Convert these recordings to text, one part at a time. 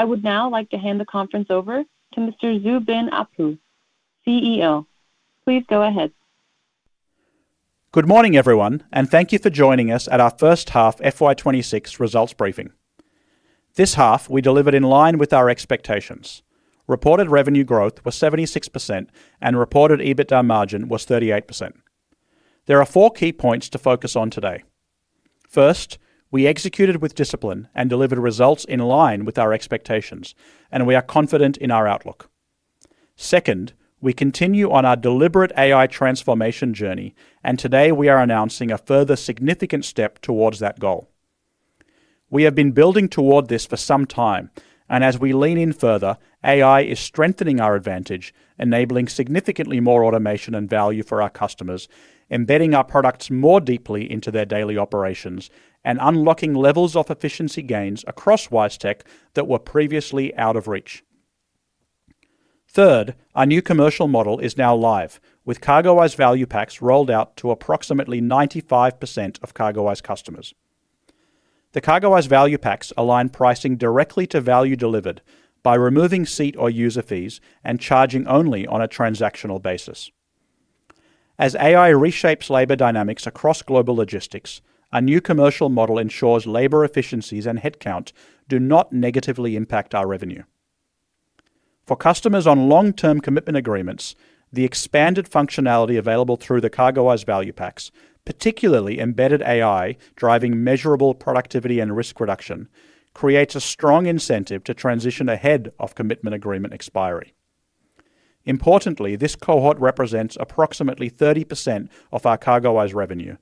I would now like to hand the conference over to Mr. Zubin Appoo, CEO. Please go ahead. Good morning, everyone, and thank you for joining us at our first half FY26 results briefing. This half, we delivered in line with our expectations. Reported revenue growth was 76% and reported EBITDA margin was 38%. There are four key points to focus on today. First, we executed with discipline and delivered results in line with our expectations, and we are confident in our outlook. Second, we continue on our deliberate AI transformation journey, and today we are announcing a further significant step towards that goal. We have been building toward this for some time, and as we lean in further, AI is strengthening our advantage, enabling significantly more automation and value for our customers, embedding our products more deeply into their daily operations, and unlocking levels of efficiency gains across WiseTech that were previously out of reach. Third, our new commercial model is now live, with CargoWise Value Packs rolled out to approximately 95% of CargoWise customers. The CargoWise Value Packs align pricing directly to value delivered by removing seat or user fees and charging only on a transactional basis. As AI reshapes labor dynamics across global logistics, our new commercial model ensures labor efficiencies and headcount do not negatively impact our revenue. For customers on long-term commitment agreements, the expanded functionality available through the CargoWise Value Packs, particularly embedded AI, driving measurable productivity and risk reduction, creates a strong incentive to transition ahead of commitment agreement expiry. Importantly, this cohort represents approximately 30% of our CargoWise revenue.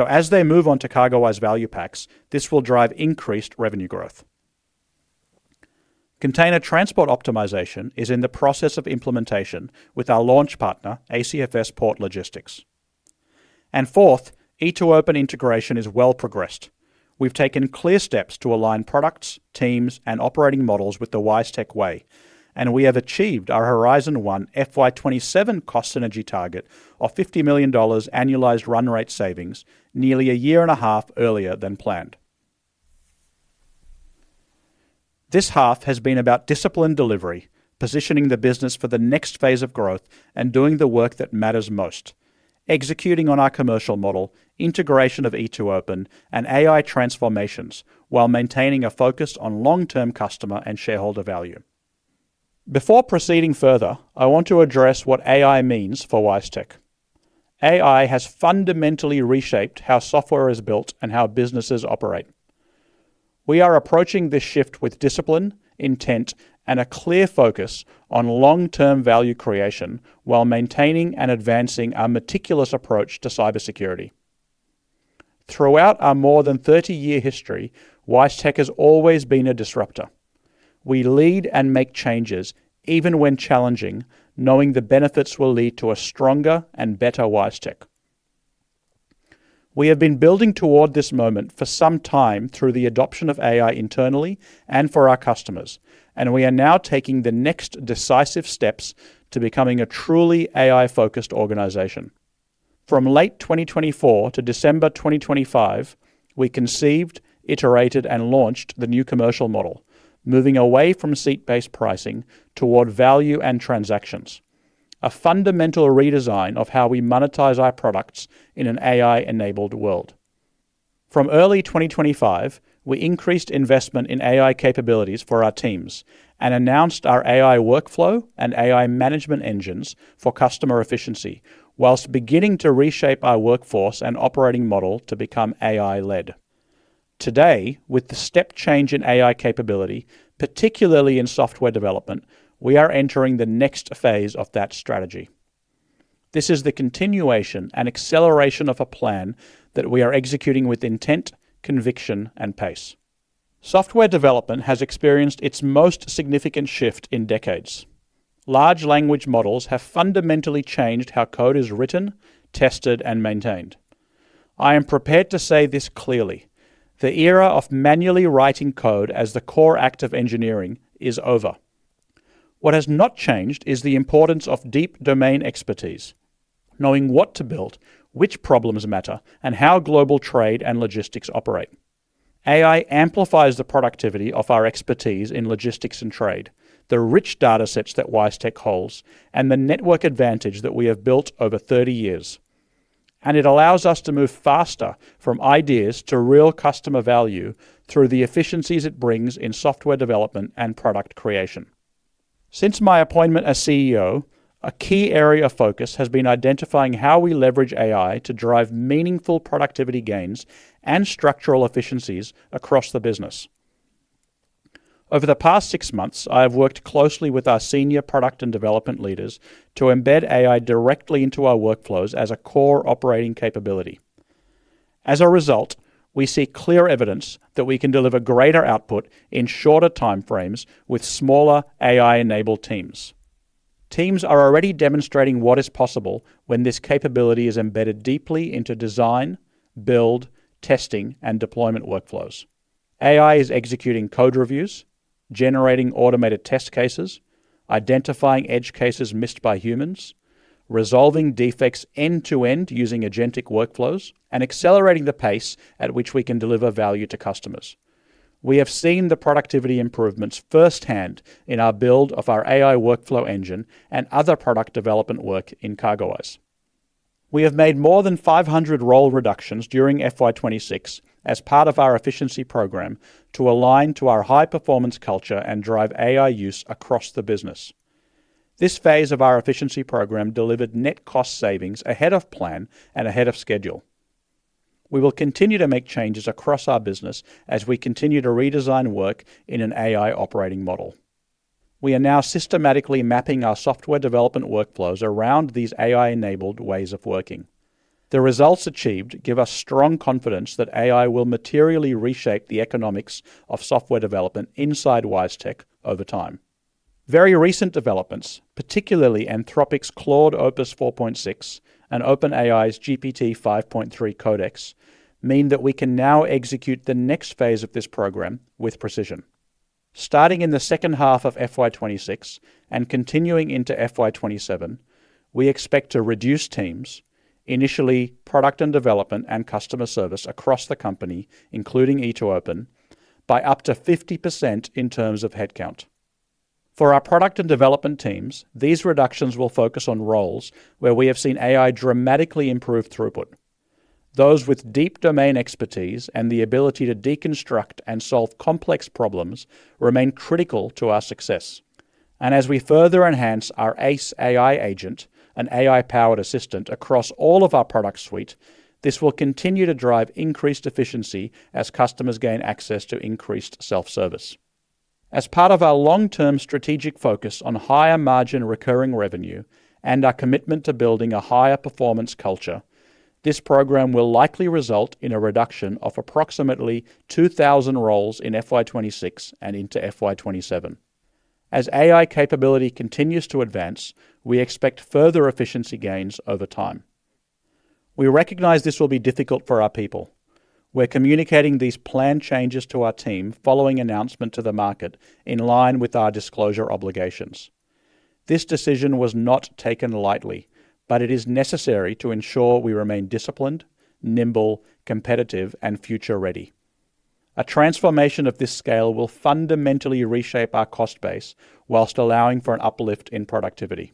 As they move on to CargoWise Value Packs, this will drive increased revenue growth. Container Transport Optimization is in the process of implementation with our launch partner, ACFS Port Logistics. Fourth, E2open integration is well progressed. We've taken clear steps to align products, teams, and operating models with the WiseTech way, and we have achieved our Horizon 1 FY 2027 cost synergy target of $50 million annualized run rate savings, nearly a year and a half earlier than planned. This half has been about disciplined delivery, positioning the business for the next phase of growth and doing the work that matters most, executing on our commercial model, integration of E2open, and AI transformations while maintaining a focus on long-term customer and shareholder value. Before proceeding further, I want to address what AI means for WiseTech. AI has fundamentally reshaped how software is built and how businesses operate. We are approaching this shift with discipline, intent, and a clear focus on long-term value creation while maintaining and advancing our meticulous approach to cybersecurity. Throughout our more than 30-year history, WiseTech has always been a disruptor. We lead and make changes, even when challenging, knowing the benefits will lead to a stronger and better WiseTech. We have been building toward this moment for some time through the adoption of AI internally and for our customers, and we are now taking the next decisive steps to becoming a truly AI-focused organization. From late 2024 to December 2025, we conceived, iterated, and launched the new commercial model, moving away from seat-based pricing toward value and transactions, a fundamental redesign of how we monetize our products in an AI-enabled world. From early 2025, we increased investment in AI capabilities for our teams and announced our AI workflow and AI management engines for customer efficiency, whilst beginning to reshape our workforce and operating model to become AI-led. Today, with the step change in AI capability, particularly in software development, we are entering the next phase of that strategy. This is the continuation and acceleration of a plan that we are executing with intent, conviction, and pace. Software development has experienced its most significant shift in decades. Large language models have fundamentally changed how code is written, tested, and maintained. I am prepared to say this clearly: the era of manually writing code as the core act of engineering is over. What has not changed is the importance of deep domain expertise, knowing what to build, which problems matter, and how global trade and logistics operate. AI amplifies the productivity of our expertise in logistics and trade, the rich data sets that WiseTech holds, and the network advantage that we have built over 30 years. It allows us to move faster from ideas to real customer value through the efficiencies it brings in software development and product creation. Since my appointment as CEO, a key area of focus has been identifying how we leverage AI to drive meaningful productivity gains and structural efficiencies across the business. Over the past six months, I have worked closely with our senior product and development leaders to embed AI directly into our workflows as a core operating capability. As a result, we see clear evidence that we can deliver greater output in shorter time frames with smaller AI-enabled teams. Teams are already demonstrating what is possible when this capability is embedded deeply into design, build, testing, and deployment workflows. AI is executing code reviews, generating automated test cases... identifying edge cases missed by humans, resolving defects end-to-end using agentic workflows, and accelerating the pace at which we can deliver value to customers. We have seen the productivity improvements firsthand in our build of our AI workflow engine and other product development work in CargoWise. We have made more than 500 role reductions during FY 2026 as part of our efficiency program to align to our high-performance culture and drive AI use across the business. This phase of our efficiency program delivered net cost savings ahead of plan and ahead of schedule. We will continue to make changes across our business as we continue to redesign work in an AI operating model. We are now systematically mapping our software development workflows around these AI-enabled ways of working. The results achieved give us strong confidence that AI will materially reshape the economics of software development inside WiseTech over time. Very recent developments, particularly Anthropic's Claude Opus 4.6 and OpenAI's GPT-5.3 Codex, mean that we can now execute the next phase of this program with precision. Starting in the second half of FY 26 and continuing into FY 27, we expect to reduce teams, initially, product and development and customer service across the company, including E2open, by up to 50% in terms of headcount. For our product and development teams, these reductions will focus on roles where we have seen AI dramatically improve throughput. Those with deep domain expertise and the ability to deconstruct and solve complex problems remain critical to our success. As we further enhance our Ace AI agent and AI-powered assistant across all of our product suite, this will continue to drive increased efficiency as customers gain access to increased self-service. As part of our long-term strategic focus on higher margin recurring revenue and our commitment to building a higher performance culture, this program will likely result in a reduction of approximately 2,000 roles in FY 26 and into FY 27. As AI capability continues to advance, we expect further efficiency gains over time. We recognize this will be difficult for our people. We're communicating these planned changes to our team following announcement to the market in line with our disclosure obligations. This decision was not taken lightly, but it is necessary to ensure we remain disciplined, nimble, competitive, and future-ready. A transformation of this scale will fundamentally reshape our cost base whilst allowing for an uplift in productivity.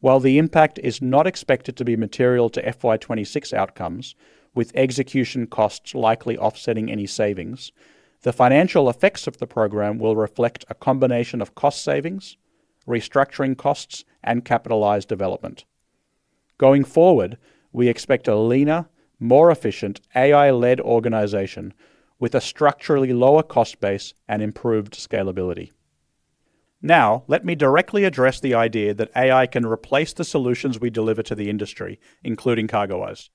While the impact is not expected to be material to FY26 outcomes, with execution costs likely offsetting any savings, the financial effects of the program will reflect a combination of cost savings, restructuring costs, and capitalized development. Going forward, we expect a leaner, more efficient, AI-led organization with a structurally lower cost base and improved scalability. Now, let me directly address the idea that AI can replace the solutions we deliver to the industry, including CargoWise.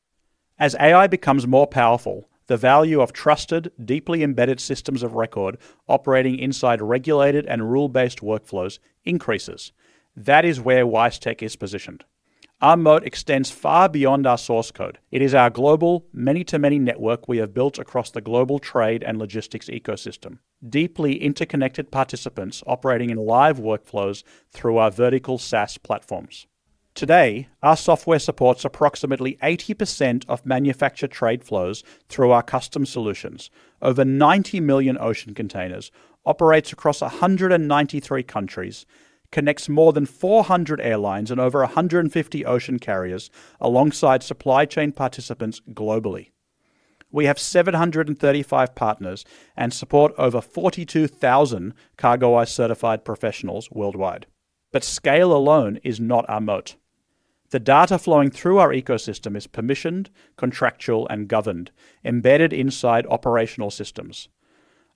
As AI becomes more powerful, the value of trusted, deeply embedded systems of record operating inside regulated and rule-based workflows increases. That is where WiseTech is positioned. Our moat extends far beyond our source code. It is our global many-to-many network we have built across the global trade and logistics ecosystem, deeply interconnected participants operating in live workflows through our vertical SaaS platforms. Today, our software supports approximately 80% of manufactured trade flows through our custom solutions. Over 90 million ocean containers, operates across 193 countries, connects more than 400 airlines and over 150 ocean carriers alongside supply chain participants globally. We have 735 partners and support over 42,000 CargoWise certified professionals worldwide. Scale alone is not our moat. The data flowing through our ecosystem is permissioned, contractual, and governed, embedded inside operational systems.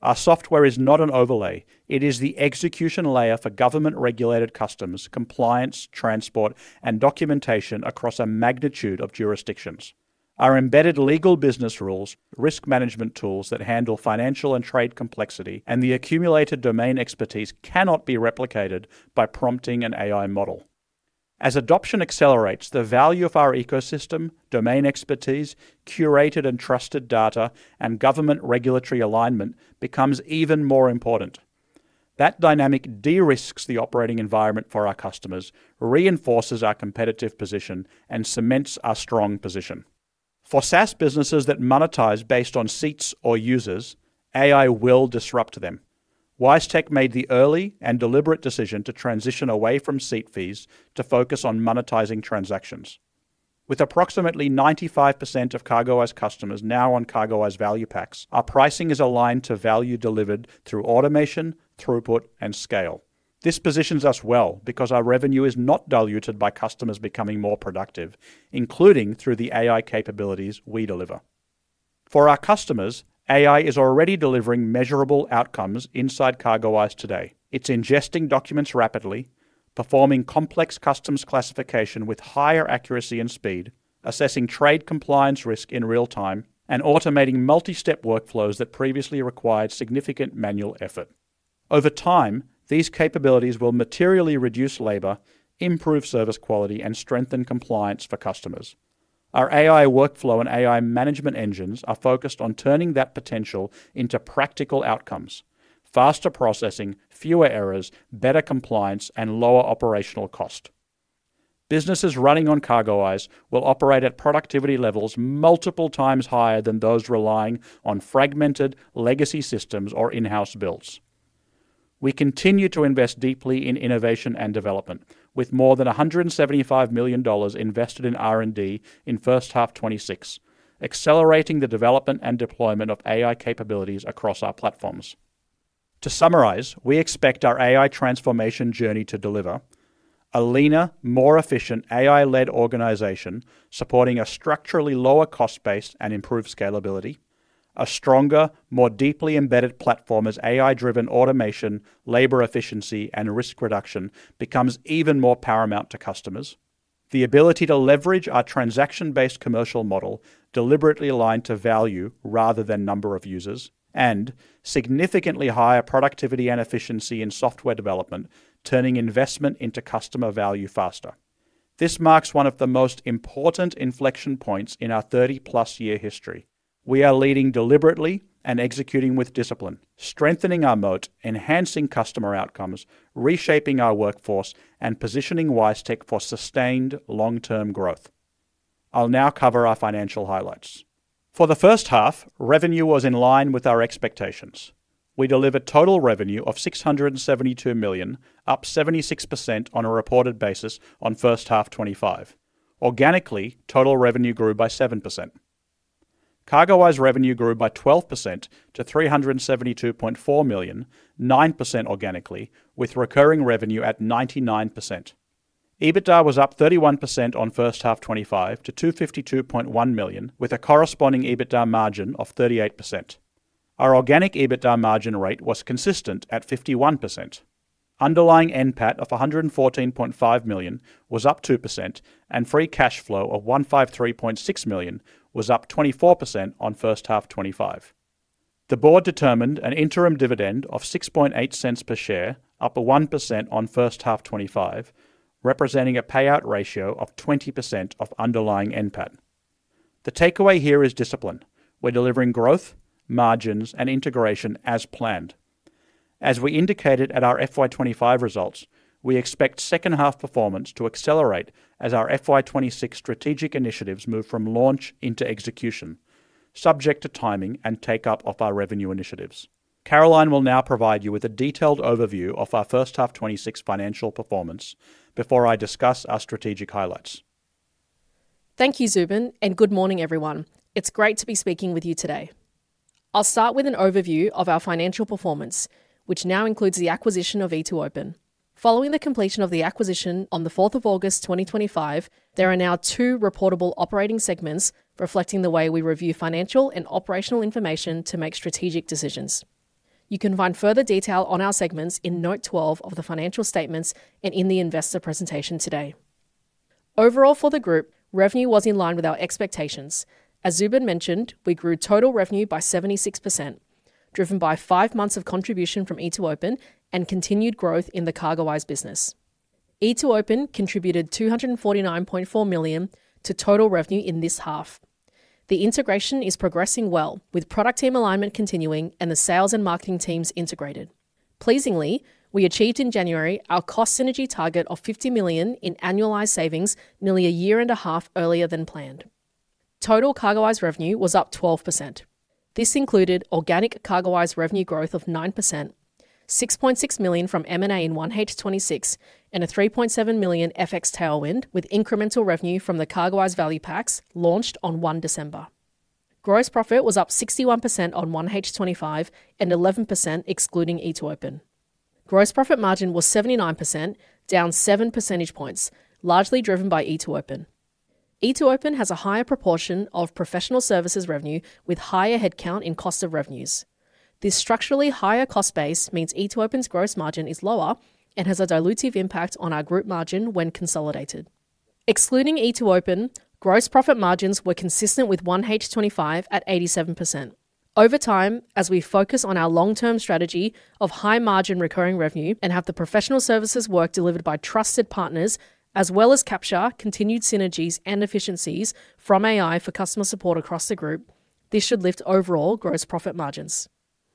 Our software is not an overlay. It is the execution layer for government-regulated customs, compliance, transport, and documentation across a magnitude of jurisdictions. Our embedded legal business rules, risk management tools that handle financial and trade complexity, and the accumulated domain expertise cannot be replicated by prompting an AI model. As adoption accelerates, the value of our ecosystem, domain expertise, curated and trusted data, and government regulatory alignment becomes even more important. That dynamic de-risks the operating environment for our customers, reinforces our competitive position, and cements our strong position. For SaaS businesses that monetize based on seats or users, AI will disrupt them. WiseTech made the early and deliberate decision to transition away from seat fees to focus on monetizing transactions. With approximately 95% of CargoWise customers now on CargoWise Value Packs, our pricing is aligned to value delivered through automation, throughput, and scale. This positions us well because our revenue is not diluted by customers becoming more productive, including through the AI capabilities we deliver. For our customers, AI is already delivering measurable outcomes inside CargoWise today. It's ingesting documents rapidly, performing complex customs classification with higher accuracy and speed, assessing trade compliance risk in real time, and automating multi-step workflows that previously required significant manual effort. Over time, these capabilities will materially reduce labor, improve service quality, and strengthen compliance for customers. Our AI workflow and AI management engines are focused on turning that potential into practical outcomes: faster processing, fewer errors, better compliance, and lower operational cost. Businesses running on CargoWise will operate at productivity levels multiple times higher than those relying on fragmented legacy systems or in-house builds. We continue to invest deeply in innovation and development, with more than $175 million invested in R&D in first half 2026, accelerating the development and deployment of AI capabilities across our platforms. To summarize, we expect our AI transformation journey to deliver a leaner, more efficient, AI-led organization, supporting a structurally lower cost base and improved scalability. A stronger, more deeply embedded platform as AI-driven automation, labor efficiency, and risk reduction becomes even more paramount to customers. The ability to leverage our transaction-based commercial model deliberately aligned to value rather than number of users, and significantly higher productivity and efficiency in software development, turning investment into customer value faster. This marks one of the most important inflection points in our thirty-plus year history. We are leading deliberately and executing with discipline, strengthening our moat, enhancing customer outcomes, reshaping our workforce, and positioning WiseTech for sustained long-term growth. I'll now cover our financial highlights. For the first half, revenue was in line with our expectations. We delivered total revenue of 672 million, up 76% on a reported basis on first half 2025. Organically, total revenue grew by 7%. CargoWise revenue grew by 12% to 372.4 million, 9% organically, with recurring revenue at 99%. EBITDA was up 31% on first half 2025 to 252.1 million, with a corresponding EBITDA margin of 38%. Our organic EBITDA margin rate was consistent at 51%. Underlying NPAT of 114.5 million was up 2%, and free cash flow of 153.6 million was up 24% on first half 2025. The board determined an interim dividend of 0.068 per share, up 1% on first half 2025, representing a payout ratio of 20% of underlying NPAT. The takeaway here is discipline. We're delivering growth, margins, and integration as planned. We indicated at our FY 25 results, we expect second half performance to accelerate as our FY 26 strategic initiatives move from launch into execution, subject to timing and take-up of our revenue initiatives. Caroline will now provide you with a detailed overview of our first half 26 financial performance before I discuss our strategic highlights. Thank you, Zubin. Good morning, everyone. It's great to be speaking with you today. I'll start with an overview of our financial performance, which now includes the acquisition of E2open. Following the completion of the acquisition on the 4th of August 2025, there are now two reportable operating segments reflecting the way we review financial and operational information to make strategic decisions. You can find further detail on our segments in note 12 of the financial statements and in the investor presentation today. Overall, for the group, revenue was in line with our expectations. As Zubin mentioned, we grew total revenue by 76%, driven by five months of contribution from E2open and continued growth in the CargoWise business. E2open contributed 249.4 million to total revenue in this half. The integration is progressing well, with product team alignment continuing and the sales and marketing teams integrated. Pleasingly, we achieved in January our cost synergy target of 50 million in annualized savings, nearly a year and a half earlier than planned. Total CargoWise revenue was up 12%. This included organic CargoWise revenue growth of 9%, 6.6 million from M&A in 1H 2026, and an 3.7 million FX tailwind, with incremental revenue from the CargoWise Value Packs launched on one December. Gross profit was up 61% on 1H 2025 and 11% excluding E2open. Gross profit margin was 79%, down seven percentage points, largely driven by E2open. E2open has a higher proportion of professional services revenue with higher headcount in cost of revenues. This structurally higher cost base means E2open's gross margin is lower and has a dilutive impact on our group margin when consolidated. Excluding E2open, gross profit margins were consistent with 1H '25 at 87%. Over time, as we focus on our long-term strategy of high-margin recurring revenue and have the professional services work delivered by trusted partners, as well as capture continued synergies and efficiencies from AI for customer support across the group, this should lift overall gross profit margins.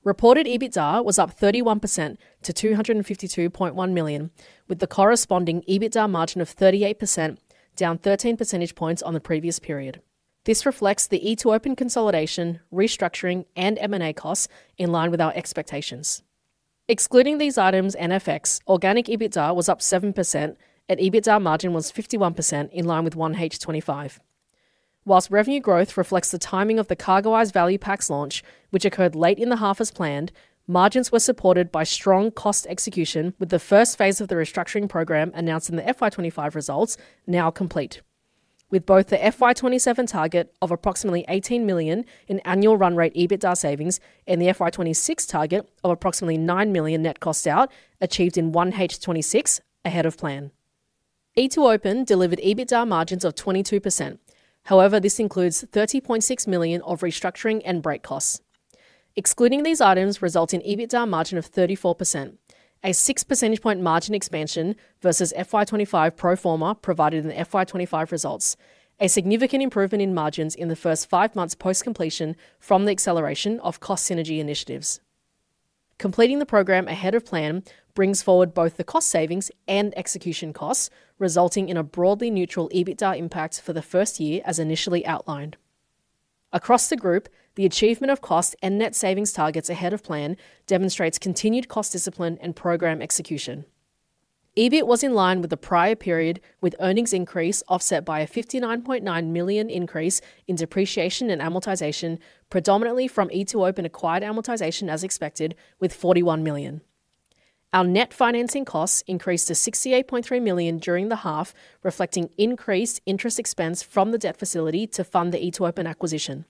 Reported EBITDA was up 31% to 252.1 million, with the corresponding EBITDA margin of 38%, down 13 percentage points on the previous period. This reflects the E2open consolidation, restructuring, and M&A costs in line with our expectations. Excluding these items and FX, organic EBITDA was up 7%, and EBITDA margin was 51%, in line with 1H '25. Whilst revenue growth reflects the timing of the CargoWise Value Packs launch, which occurred late in the half as planned, margins were supported by strong cost execution, with the first phase of the restructuring program announced in the FY 2025 results now complete. With both the FY 2027 target of approximately 18 million in annual run rate EBITDA savings and the FY 2026 target of approximately 9 million net costs out, achieved in 1H 2026 ahead of plan. E2open delivered EBITDA margins of 22%. This includes 30.6 million of restructuring and break costs. Excluding these items result in EBITDA margin of 34%. A 6 percentage point margin expansion versus FY 2025 pro forma provided in the FY 2025 results. A significant improvement in margins in the first 5 months post-completion from the acceleration of cost synergy initiatives. Completing the program ahead of plan brings forward both the cost savings and execution costs, resulting in a broadly neutral EBITDA impact for the first year, as initially outlined. Across the group, the achievement of cost and net savings targets ahead of plan demonstrates continued cost discipline and program execution. EBIT was in line with the prior period, with earnings increase offset by an 59.9 million increase in depreciation and amortization, predominantly from E2open acquired amortization as expected, with 41 million. Our net financing costs increased to 68.3 million during the half, reflecting increased interest expense from the debt facility to fund the E2open acquisition.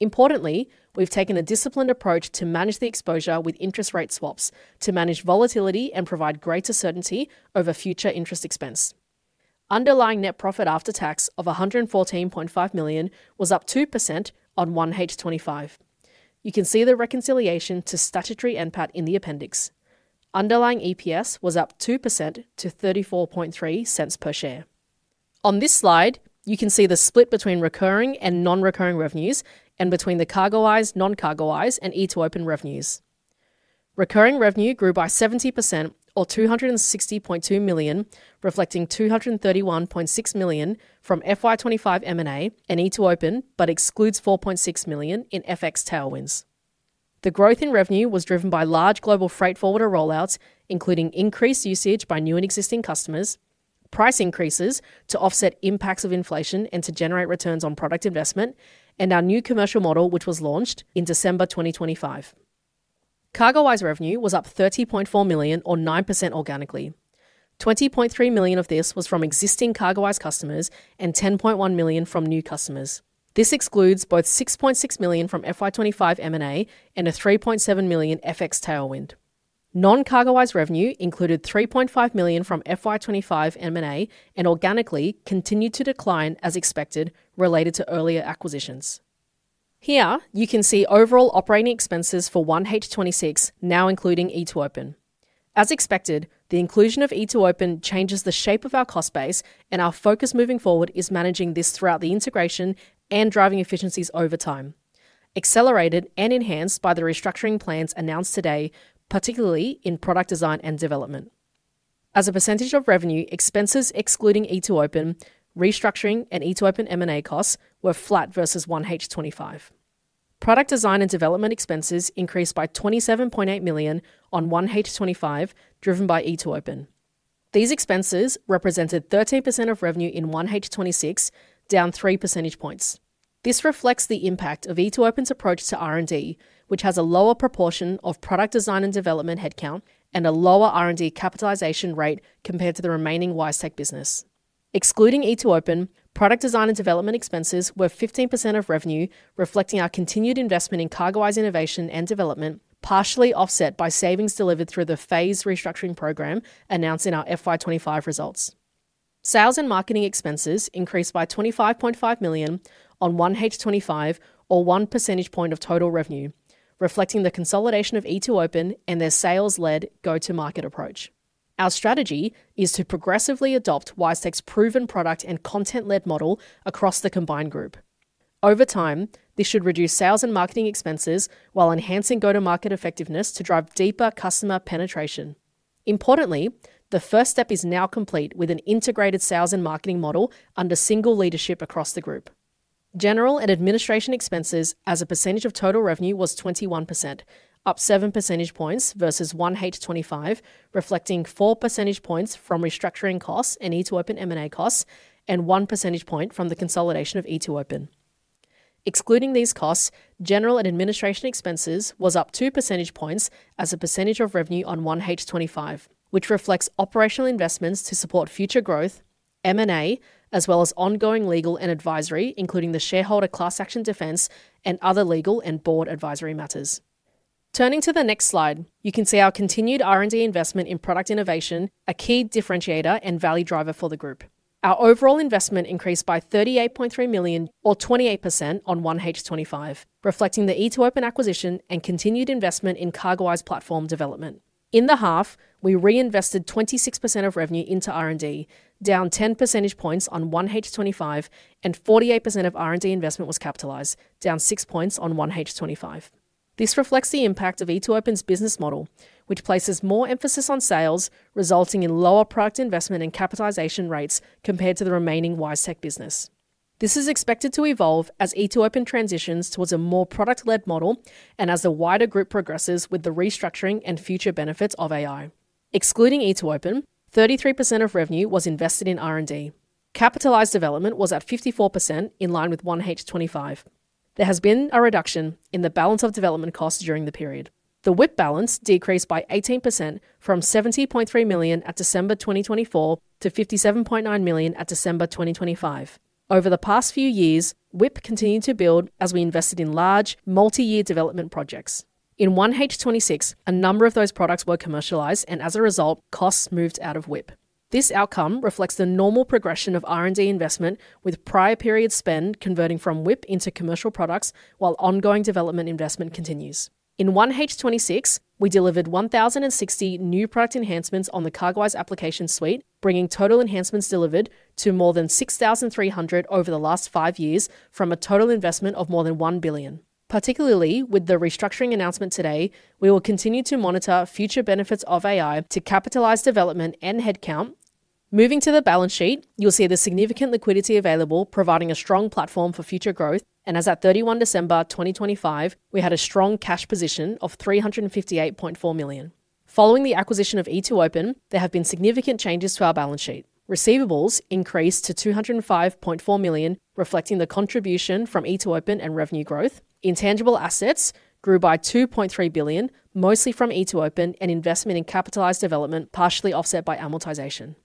Importantly, we've taken a disciplined approach to manage the exposure with interest rate swaps, to manage volatility and provide greater certainty over future interest expense. Underlying net profit after tax of 114.5 million was up 2% on 1H 2025. You can see the reconciliation to statutory NPAT in the appendix. Underlying EPS was up 2% to 0.343 per share. On this slide, you can see the split between recurring and non-recurring revenues and between the CargoWise, non-CargoWise, and E2open revenues. Recurring revenue grew by 70% or 260.2 million, reflecting 231.6 million from FY 2025 M&A and E2open, excludes 4.6 million in FX tailwinds. The growth in revenue was driven by large global freight forwarder rollouts, including increased usage by new and existing customers, price increases to offset impacts of inflation and to generate returns on product investment, and our new commercial model, which was launched in December 2025. CargoWise revenue was up 30.4 million or 9% organically. 20.3 million of this was from existing CargoWise customers and 10.1 million from new customers. This excludes both 6.6 million from FY25 M&A and a 3.7 million FX tailwind. Non-CargoWise revenue included 3.5 million from FY25 M&A and organically continued to decline as expected, related to earlier acquisitions. Here you can see overall operating expenses for 1H26, now including E2open. As expected, the inclusion of E2open changes the shape of our cost base. Our focus moving forward is managing this throughout the integration and driving efficiencies over time. Accelerated and enhanced by the restructuring plans announced today, particularly in product design and development. As a percentage of revenue, expenses excluding E2open, restructuring and E2open M&A costs were flat versus 1H25. Product design and development expenses increased by 27.8 million on 1H 2025, driven by E2open. These expenses represented 13% of revenue in 1H 2026, down 3 percentage points. This reflects the impact of E2open's approach to R&D, which has a lower proportion of product design and development headcount and a lower R&D capitalization rate compared to the remaining WiseTech business. Excluding E2open, product design and development expenses were 15% of revenue, reflecting our continued investment in CargoWise innovation and development, partially offset by savings delivered through the phase restructuring program announced in our FY 2025 results. Sales and marketing expenses increased by 25.5 million on 1H 2025 or 1 percentage point of total revenue, reflecting the consolidation of E2open and their sales-led go-to-market approach. Our strategy is to progressively adopt WiseTech's proven product and content-led model across the combined group. Over time, this should reduce sales and marketing expenses while enhancing go-to-market effectiveness to drive deeper customer penetration. Importantly, the first step is now complete, with an integrated sales and marketing model under single leadership across the group. General and administration expenses as a percentage of total revenue was 21%, up 7 percentage points versus 1H 2025, reflecting 4 percentage points from restructuring costs and E2open M&A costs, and 1 percentage point from the consolidation of E2open. Excluding these costs, general and administration expenses was up 2 percentage points as a percentage of revenue on 1H 2025, which reflects operational investments to support future growth, M&A, as well as ongoing legal and advisory, including the shareholder class action defense and other legal and board advisory matters. Turning to the next slide, you can see our continued R&D investment in product innovation, a key differentiator and value driver for the group. Our overall investment increased by 38.3 million, or 28% on 1H25, reflecting the E2open acquisition and continued investment in CargoWise platform development. In the half, we reinvested 26% of revenue into R&D, down 10 percentage points on 1H25, and 48% of R&D investment was capitalized, down 6 points on 1H25. This reflects the impact of E2open's business model, which places more emphasis on sales, resulting in lower product investment and capitalization rates compared to the remaining WiseTech business. This is expected to evolve as E2open transitions towards a more product-led model and as the wider group progresses with the restructuring and future benefits of AI. Excluding E2open, 33% of revenue was invested in R&D. Capitalized development was at 54%, in line with 1H 2025. There has been a reduction in the balance of development costs during the period. The WIP balance decreased by 18% from 70.3 million at December 2024 to 57.9 million at December 2025. Over the past few years, WIP continued to build as we invested in large multi-year development projects. In 1H 2026, a number of those products were commercialized, and as a result, costs moved out of WIP. This outcome reflects the normal progression of R&D investment, with prior period spend converting from WIP into commercial products while ongoing development investment continues. In 1H 26, we delivered 1,060 new product enhancements on the CargoWise application suite, bringing total enhancements delivered to more than 6,300 over the last five years from a total investment of more than $1 billion. Particularly with the restructuring announcement today, we will continue to monitor future benefits of AI to capitalize development and headcount. Moving to the balance sheet, you'll see the significant liquidity available, providing a strong platform for future growth. As at December 31, 2025, we had a strong cash position of $358.4 million. Following the acquisition of E2open, there have been significant changes to our balance sheet. Receivables increased to $205.4 million, reflecting the contribution from E2open and revenue growth. Intangible assets grew by 2.3 billion, mostly from E2open, and investment in capitalized development, partially offset by amortization.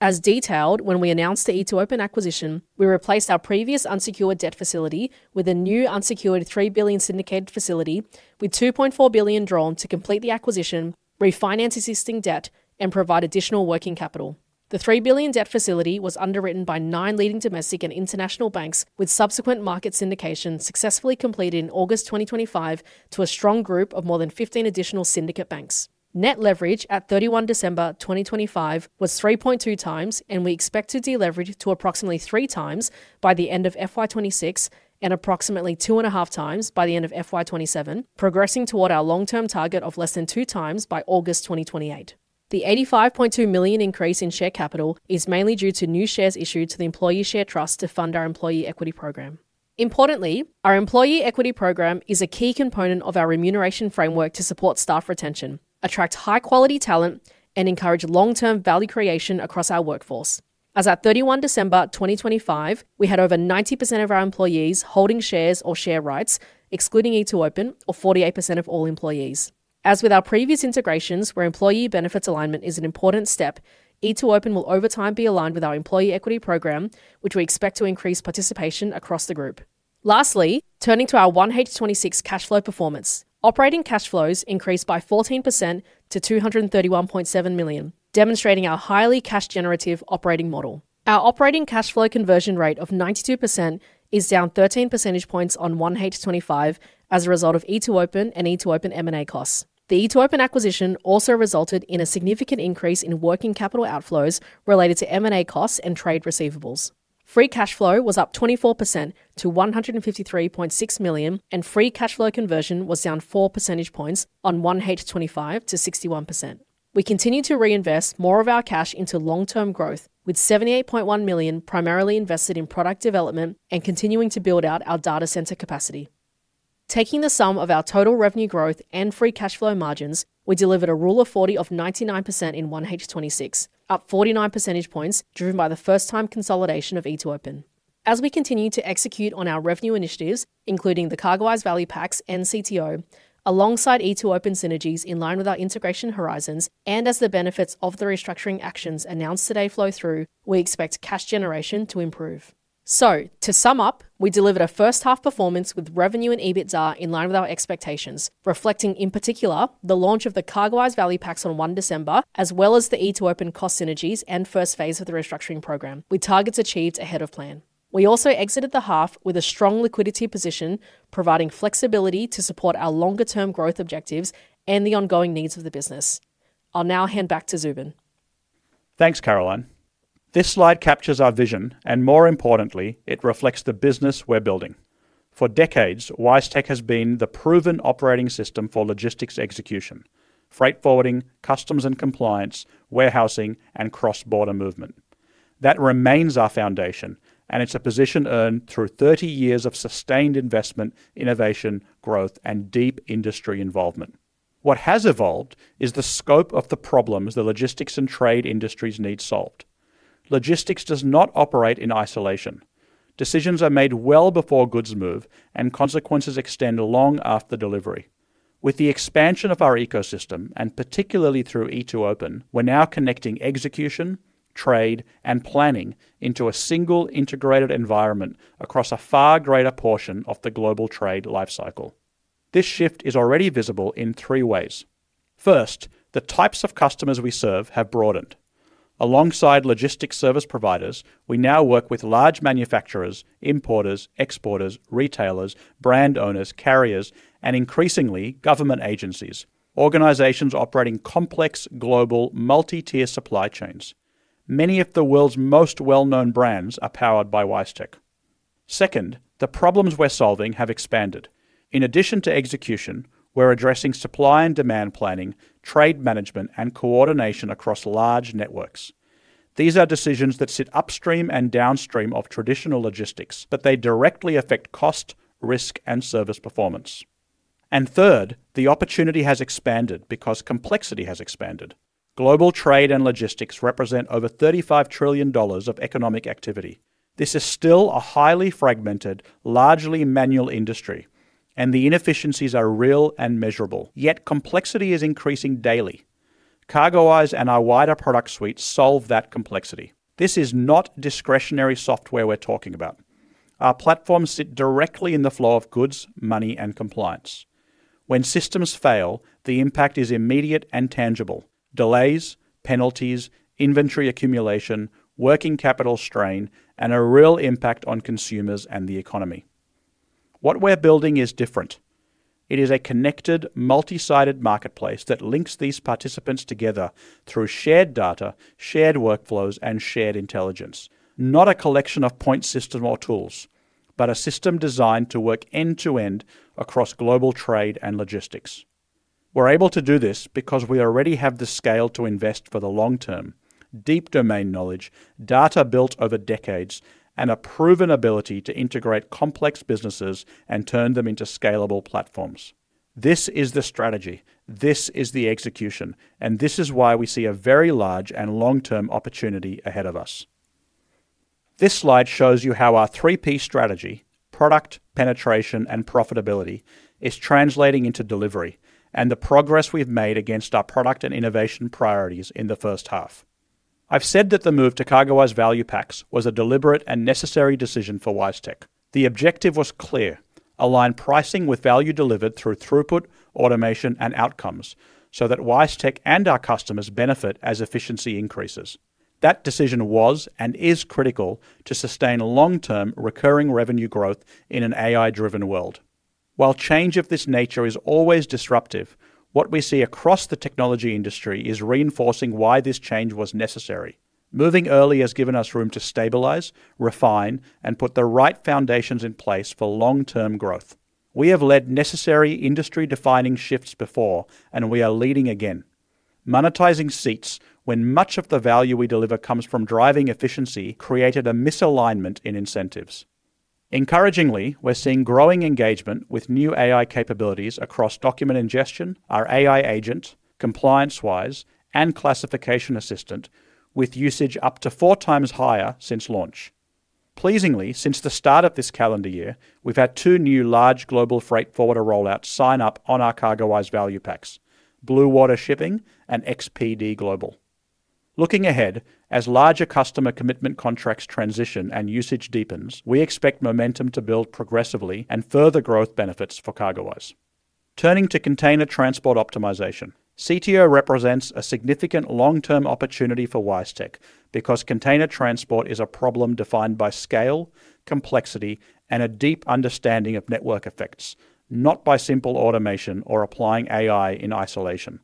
As detailed, when we announced the E2open acquisition, we replaced our previous unsecured debt facility with a new unsecured 3 billion syndicated facility, with 2.4 billion drawn to complete the acquisition, refinance existing debt, and provide additional working capital. The 3 billion debt facility was underwritten by 9 leading domestic and international banks, with subsequent market syndication successfully completed in August 2025 to a strong group of more than 15 additional syndicate banks. Net leverage at December 31, 2025 was 3.2x, and we expect to deleverage to approximately 3x by the end of FY 26 and approximately 2.5x by the end of FY27, progressing toward our long-term target of less than 2x by August 2028. The 85.2 million increase in share capital is mainly due to new shares issued to the employee share trust to fund our employee equity program. Our employee equity program is a key component of our remuneration framework to support staff retention, attract high-quality talent, and encourage long-term value creation across our workforce. As at 31 December 2025, we had over 90% of our employees holding shares or share rights, excluding E2open, or 48% of all employees. As with our previous integrations, where employee benefits alignment is an important step, E2open will, over time, be aligned with our employee equity program, which we expect to increase participation across the group. Turning to our 1H26 cash flow performance. Operating cash flows increased by 14% to 231.7 million, demonstrating our highly cash-generative operating model. Our operating cash flow conversion rate of 92% is down 13 percentage points on 1H 2025 as a result of E2open and E2open M&A costs. The E2open acquisition also resulted in a significant increase in working capital outflows related to M&A costs and trade receivables. Free cash flow was up 24% to 153.6 million, and free cash flow conversion was down 4 percentage points on 1H 2025 to 61%. We continue to reinvest more of our cash into long-term growth, with 78.1 million primarily invested in product development and continuing to build out our data center capacity. Taking the sum of our total revenue growth and free cash flow margins, we delivered a Rule of 40 of 99% in 1H 2026, up 49 percentage points, driven by the first-time consolidation of E2open. As we continue to execute on our revenue initiatives, including the CargoWise Value Packs and CTO, alongside E2open synergies in line with our integration horizons, as the benefits of the restructuring actions announced today flow through, we expect cash generation to improve. To sum up, we delivered a first half performance with revenue and EBITDA in line with our expectations, reflecting, in particular, the launch of the CargoWise Value Packs on 1 December, as well as the E2open cost synergies and first phase of the restructuring program, with targets achieved ahead of plan. We also exited the half with a strong liquidity position, providing flexibility to support our longer-term growth objectives and the ongoing needs of the business. I'll now hand back to Zubin. Thanks, Caroline. This slide captures our vision, and more importantly, it reflects the business we're building. For decades, WiseTech has been the proven operating system for logistics execution, freight forwarding, customs and compliance, warehousing, and cross-border movement. That remains our foundation, and it's a position earned through 30 years of sustained investment, innovation, growth, and deep industry involvement. What has evolved is the scope of the problems the logistics and trade industries need solved. Logistics does not operate in isolation. Decisions are made well before goods move, and consequences extend long after delivery. With the expansion of our ecosystem, and particularly through E2open, we're now connecting execution, trade, and planning into a single integrated environment across a far greater portion of the global trade life cycle. This shift is already visible in three ways. First, the types of customers we serve have broadened. Alongside logistics service providers, we now work with large manufacturers, importers, exporters, retailers, brand owners, carriers, and increasingly, government agencies, organizations operating complex global multi-tier supply chains. Many of the world's most well-known brands are powered by WiseTech. Second, the problems we're solving have expanded. In addition to execution, we're addressing supply and demand planning, trade management, and coordination across large networks. These are decisions that sit upstream and downstream of traditional logistics, but they directly affect cost, risk, and service performance. Third, the opportunity has expanded because complexity has expanded. Global trade and logistics represent over 35 trillion dollars of economic activity. This is still a highly fragmented, largely manual industry, and the inefficiencies are real and measurable, yet complexity is increasing daily. CargoWise and our wider product suite solve that complexity. This is not discretionary software we're talking about.... Our platforms sit directly in the flow of goods, money, and compliance. When systems fail, the impact is immediate and tangible: delays, penalties, inventory accumulation, working capital strain, and a real impact on consumers and the economy. What we're building is different. It is a connected, multi-sided marketplace that links these participants together through shared data, shared workflows, and shared intelligence. Not a collection of point system or tools, but a system designed to work end-to-end across global trade and logistics. We're able to do this because we already have the scale to invest for the long term, deep domain knowledge, data built over decades, and a proven ability to integrate complex businesses and turn them into scalable platforms. This is the strategy, this is the execution, and this is why we see a very large and long-term opportunity ahead of us. This slide shows you how our 3P strategy: product, penetration, and profitability, is translating into delivery and the progress we've made against our product and innovation priorities in the first half. I've said that the move to CargoWise Value Packs was a deliberate and necessary decision for WiseTech. The objective was clear: align pricing with value delivered through throughput, automation, and outcomes, so that WiseTech and our customers benefit as efficiency increases. That decision was, and is critical to sustain long-term recurring revenue growth in an AI-driven world. While change of this nature is always disruptive, what we see across the technology industry is reinforcing why this change was necessary. Moving early has given us room to stabilize, refine, and put the right foundations in place for long-term growth. We have led necessary industry-defining shifts before, and we are leading again. Monetizing seats, when much of the value we deliver comes from driving efficiency, created a misalignment in incentives. Encouragingly, we're seeing growing engagement with new AI capabilities across document ingestion, our AI agent, ComplianceWise, and Classification Assistant, with usage up to 4x higher since launch. Pleasingly, since the start of this calendar year, we've had two new large global freight forwarder rollouts sign up on our CargoWise Value Packs: Blue Water Shipping and XPD Global. Looking ahead, as larger customer commitment contracts transition and usage deepens, we expect momentum to build progressively and further growth benefits for CargoWise. Turning to Container Transport Optimization, CTO represents a significant long-term opportunity for WiseTech because container transport is a problem defined by scale, complexity, and a deep understanding of network effects, not by simple automation or applying AI in isolation.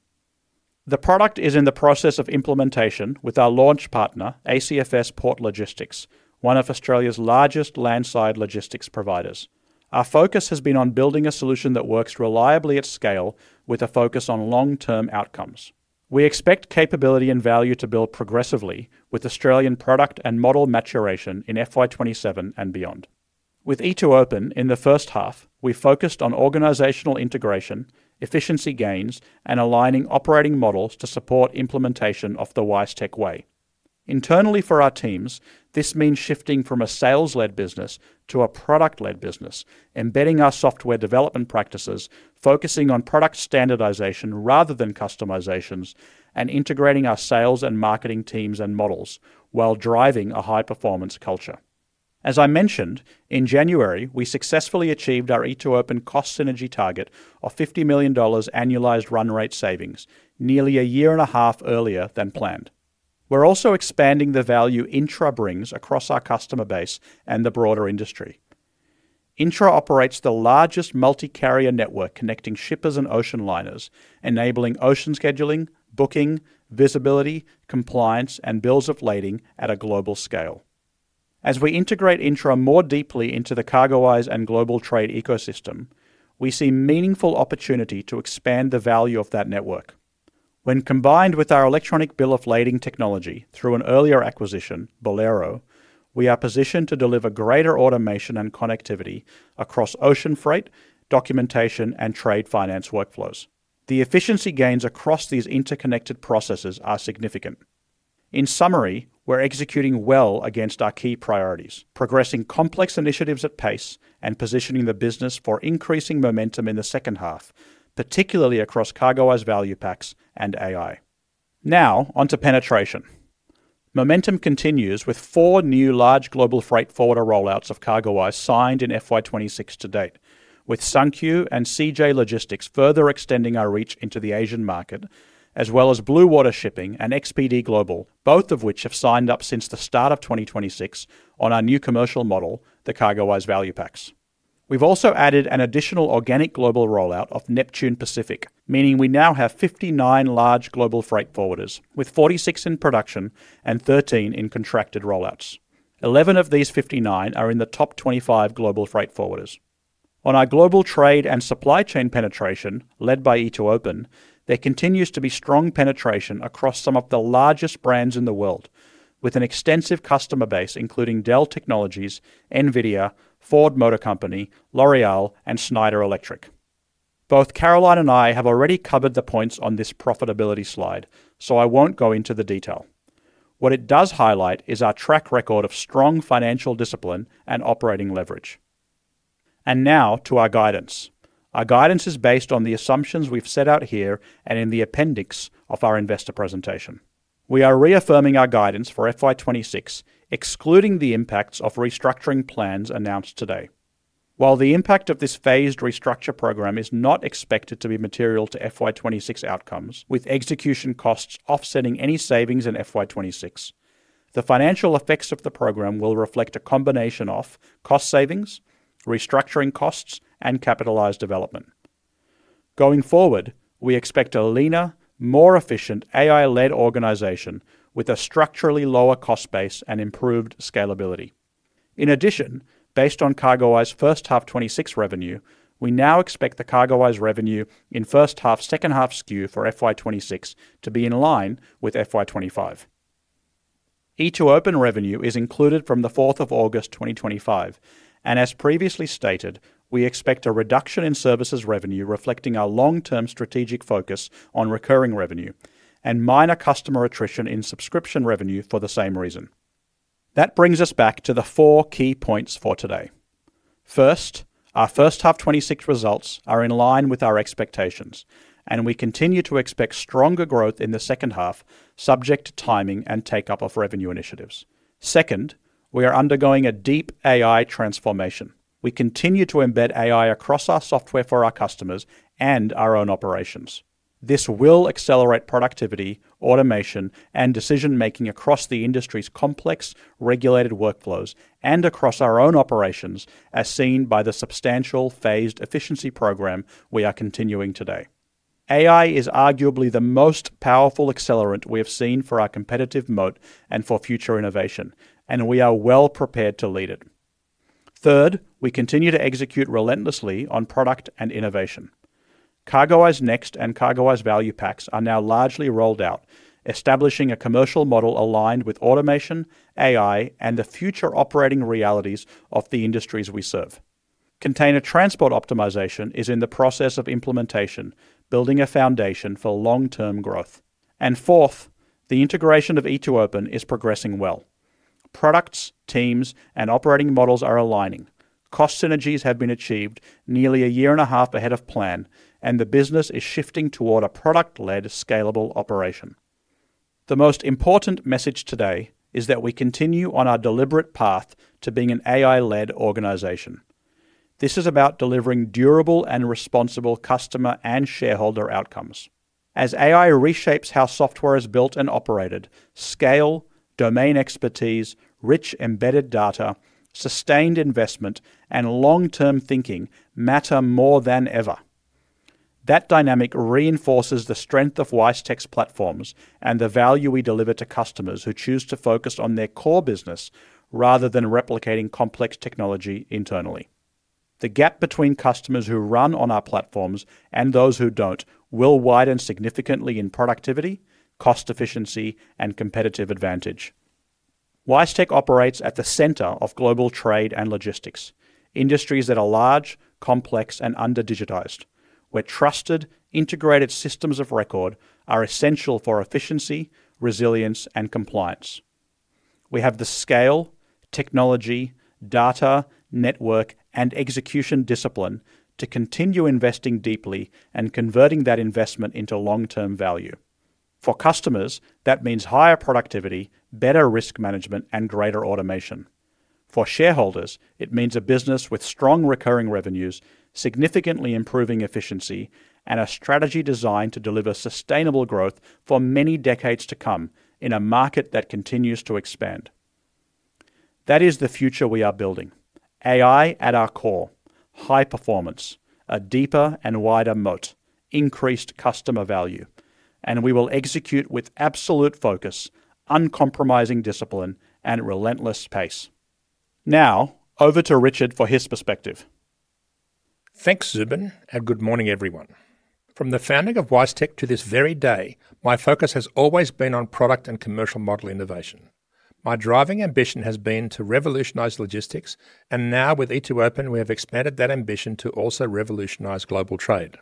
The product is in the process of implementation with our launch partner, ACF S Port Logistics, one of Australia's largest landside logistics providers. Our focus has been on building a solution that works reliably at scale, with a focus on long-term outcomes. We expect capability and value to build progressively with Australian product and model maturation in FY 27 and beyond. With E2open in the first half, we focused on organizational integration, efficiency gains, and aligning operating models to support implementation of the WiseTech way. Internally, for our teams, this means shifting from a sales-led business to a product-led business, embedding our software development practices, focusing on product standardization rather than customizations, and integrating our sales and marketing teams and models while driving a high-performance culture. As I mentioned, in January, we successfully achieved our E2open cost synergy target of $50 million annualized run rate savings, nearly a year and a half earlier than planned. We're also expanding the value Intra brings across our customer base and the broader industry. Intra operates the largest multi-carrier network connecting shippers and ocean liners, enabling ocean scheduling, booking, visibility, compliance, and bills of lading at a global scale. As we integrate Intra more deeply into the CargoWise and global trade ecosystem, we see meaningful opportunity to expand the value of that network. When combined with our electronic bill of lading technology through an earlier acquisition, Bolero, we are positioned to deliver greater automation and connectivity across ocean freight, documentation, and trade finance workflows. The efficiency gains across these interconnected processes are significant. In summary, we're executing well against our key priorities, progressing complex initiatives at pace, and positioning the business for increasing momentum in the second half, particularly across CargoWise Value Packs and AI. On to penetration. Momentum continues with 4 new large global freight forwarder rollouts of CargoWise signed in FY 2026 to date, with Sincham and CJ Logistics further extending our reach into the Asian market, as well as Blue Water Shipping and XPD Global, both of which have signed up since the start of 2026 on our new commercial model, the CargoWise Value Packs. We've also added an additional organic global rollout of Neptune Pacific, meaning we now have 59 large global freight forwarders, with 46 in production and 13 in contracted rollouts. 11 of these 59 are in the top 25 global freight forwarders. On our global trade and supply chain penetration, led by E2open, there continues to be strong penetration across some of the largest brands in the world, with an extensive customer base, including Dell Technologies, NVIDIA, Ford Motor Company, L'Oréal, and Schneider Electric. Both Caroline and I have already covered the points on this profitability slide. I won't go into the detail. What it does highlight is our track record of strong financial discipline and operating leverage. Now to our guidance. Our guidance is based on the assumptions we've set out here and in the appendix of our investor presentation. We are reaffirming our guidance for FY26, excluding the impacts of restructuring plans announced today. While the impact of this phased restructure program is not expected to be material to FY26 outcomes, with execution costs offsetting any savings in FY26, the financial effects of the program will reflect a combination of cost savings, restructuring costs, and capitalized development. Going forward, we expect a leaner, more efficient AI-led organization with a structurally lower cost base and improved scalability. In addition, based on CargoWise first half 2026 revenue, we now expect the CargoWise revenue in first half, second half skew for FY26 to be in line with FY25. E2open revenue is included from August 4, 2025. As previously stated, we expect a reduction in services revenue, reflecting our long-term strategic focus on recurring revenue and minor customer attrition in subscription revenue for the same reason. That brings us back to the four key points for today. First, our first half 26 results are in line with our expectations. We continue to expect stronger growth in the second half, subject to timing and take-up of revenue initiatives. Second, we are undergoing a deep AI transformation. We continue to embed AI across our software for our customers and our own operations. This will accelerate productivity, automation, and decision-making across the industry's complex, regulated workflows and across our own operations, as seen by the substantial phased efficiency program we are continuing today. AI is arguably the most powerful accelerant we have seen for our competitive moat and for future innovation. We are well prepared to lead it. Third, we continue to execute relentlessly on product and innovation. CargoWise Next and CargoWise Value Packs are now largely rolled out, establishing a commercial model aligned with automation, AI, and the future operating realities of the industries we serve. Container Transport Optimization is in the process of implementation, building a foundation for long-term growth. Fourth, the integration of E2open is progressing well. Products, teams, and operating models are aligning. Cost synergies have been achieved nearly a year and a half ahead of plan, and the business is shifting toward a product-led, scalable operation. The most important message today is that we continue on our deliberate path to being an AI-led organization. This is about delivering durable and responsible customer and shareholder outcomes. As AI reshapes how software is built and operated, scale, domain expertise, rich embedded data, sustained investment, and long-term thinking matter more than ever. That dynamic reinforces the strength of WiseTech's platforms and the value we deliver to customers who choose to focus on their core business rather than replicating complex technology internally. The gap between customers who run on our platforms and those who don't will widen significantly in productivity, cost efficiency, and competitive advantage. WiseTech operates at the center of global trade and logistics, industries that are large, complex, and under-digitized, where trusted, integrated systems of record are essential for efficiency, resilience, and compliance. We have the scale, technology, data, network, and execution discipline to continue investing deeply and converting that investment into long-term value. For customers, that means higher productivity, better risk management, and greater automation. For shareholders, it means a business with strong recurring revenues, significantly improving efficiency, and a strategy designed to deliver sustainable growth for many decades to come in a market that continues to expand. That is the future we are building. AI at our core, high performance, a deeper and wider moat, increased customer value. We will execute with absolute focus, uncompromising discipline, and relentless pace. Over to Richard for his perspective. Thanks, Zubin. Good morning, everyone. From the founding of WiseTech to this very day, my focus has always been on product and commercial model innovation. My driving ambition has been to revolutionize logistics. Now with E2open, we have expanded that ambition to also revolutionize global trade.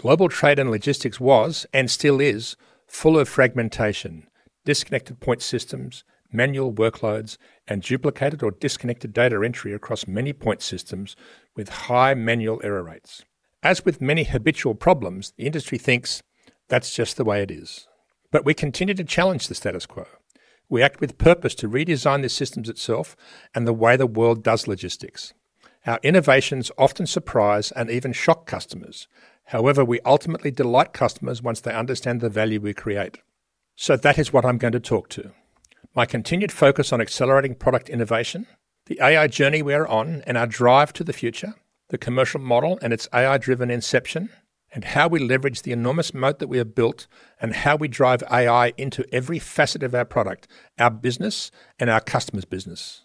Global trade and logistics was, and still is, full of fragmentation, disconnected point systems, manual workloads, duplicated or disconnected data entry across many point systems with high manual error rates. As with many habitual problems, the industry thinks that's just the way it is. We continue to challenge the status quo. We act with purpose to redesign the systems itself and the way the world does logistics. Our innovations often surprise and even shock customers. However, we ultimately delight customers once they understand the value we create. That is what I'm going to talk to. My continued focus on accelerating product innovation, the AI journey we are on, and our drive to the future, the commercial model and its AI-driven inception, and how we leverage the enormous moat that we have built, and how we drive AI into every facet of our product, our business, and our customers' business.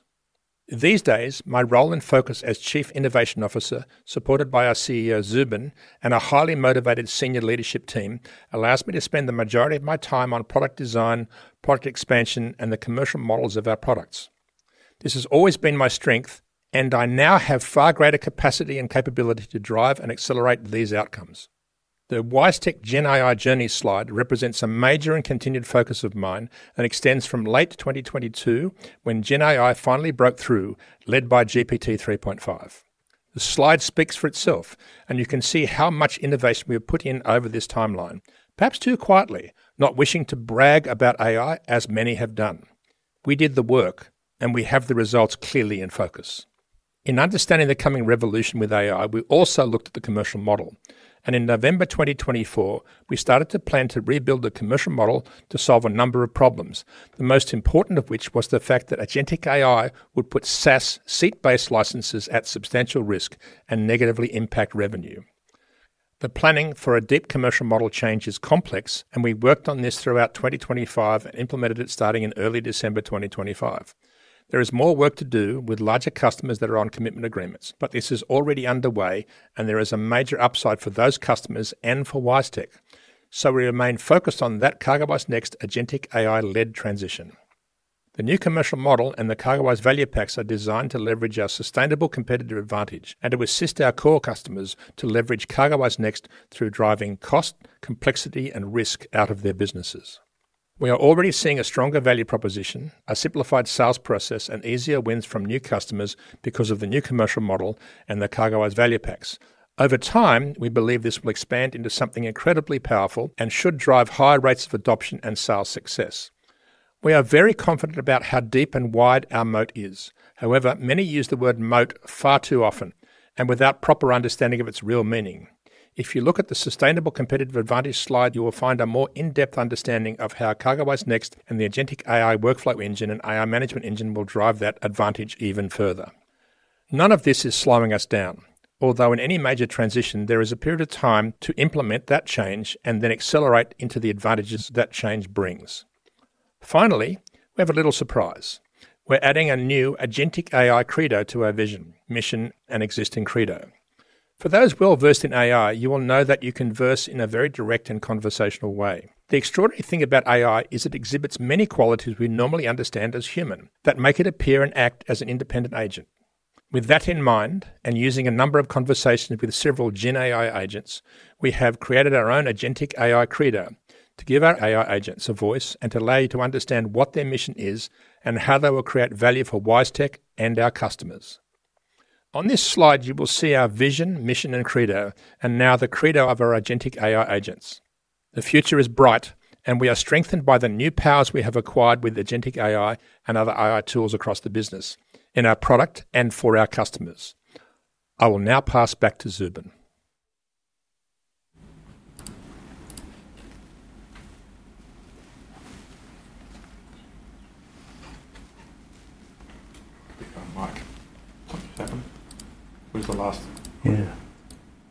These days, my role and focus as Chief Innovation Officer, supported by our CEO, Zubin, and a highly motivated senior leadership team, allows me to spend the majority of my time on product design, product expansion, and the commercial models of our products. This has always been my strength, and I now have far greater capacity and capability to drive and accelerate these outcomes. The WiseTech Gen AI journey slide represents a major and continued focus of mine that extends from late 2022, when Gen AI finally broke through, led by GPT-3.5. The slide speaks for itself. You can see how much innovation we have put in over this timeline. Perhaps too quietly, not wishing to brag about AI, as many have done. We did the work. We have the results clearly in focus. In understanding the coming revolution with AI, we also looked at the commercial model. In November 2024, we started to plan to rebuild the commercial model to solve a number of problems. The most important of which was the fact that agentic AI would put SaaS seat-based licenses at substantial risk and negatively impact revenue. The planning for a deep commercial model change is complex. We worked on this throughout 2025 and implemented it starting in early December 2025. There is more work to do with larger customers that are on commitment agreements. This is already underway. There is a major upside for those customers and for WiseTech. We remain focused on that CargoWise Next agentic AI-led transition. The new commercial model and the CargoWise Value Packs are designed to leverage our sustainable competitive advantage and to assist our core customers to leverage CargoWise Next through driving cost, complexity, and risk out of their businesses. We are already seeing a stronger value proposition, a simplified sales process, and easier wins from new customers because of the new commercial model and the CargoWise Value Packs. Over time, we believe this will expand into something incredibly powerful and should drive higher rates of adoption and sales success. We are very confident about how deep and wide our moat is. However, many use the word moat far too often and without proper understanding of its real meaning. If you look at the sustainable competitive advantage slide, you will find a more in-depth understanding of how CargoWise Next and the agentic AI workflow engine and AI management engine will drive that advantage even further. None of this is slowing us down, although in any major transition, there is a period of time to implement that change and then accelerate into the advantages that change brings. Finally, we have a little surprise. We're adding a new agentic AI credo to our vision, mission, and existing credo. For those well-versed in AI, you will know that you converse in a very direct and conversational way. The extraordinary thing about AI is it exhibits many qualities we normally understand as human, that make it appear and act as an independent agent. With that in mind, using a number of conversations with several Gen AI agents, we have created our own agentic AI credo to give our AI agents a voice and to allow you to understand what their mission is and how they will create value for WiseTech and our customers. On this slide, you will see our vision, mission, and credo, and now the credo of our agentic AI agents. The future is bright, and we are strengthened by the new powers we have acquired with agentic AI and other AI tools across the business, in our product, and for our customers. I will now pass back to Zubin. Mike, something's happened. Where's the last- Yeah.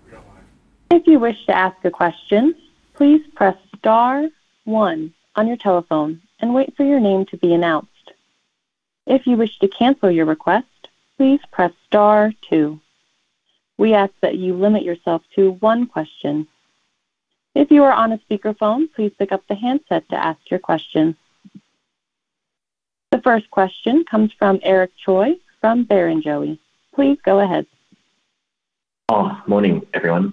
We got live. If you wish to ask a question, please press star 1 on your telephone and wait for your name to be announced. If you wish to cancel your request, please press star two. We ask that you limit yourself to one question. If you are on a speakerphone, please pick up the handset to ask your question. The first question comes from Eric Choi from Barrenjoey. Please go ahead. Morning, everyone.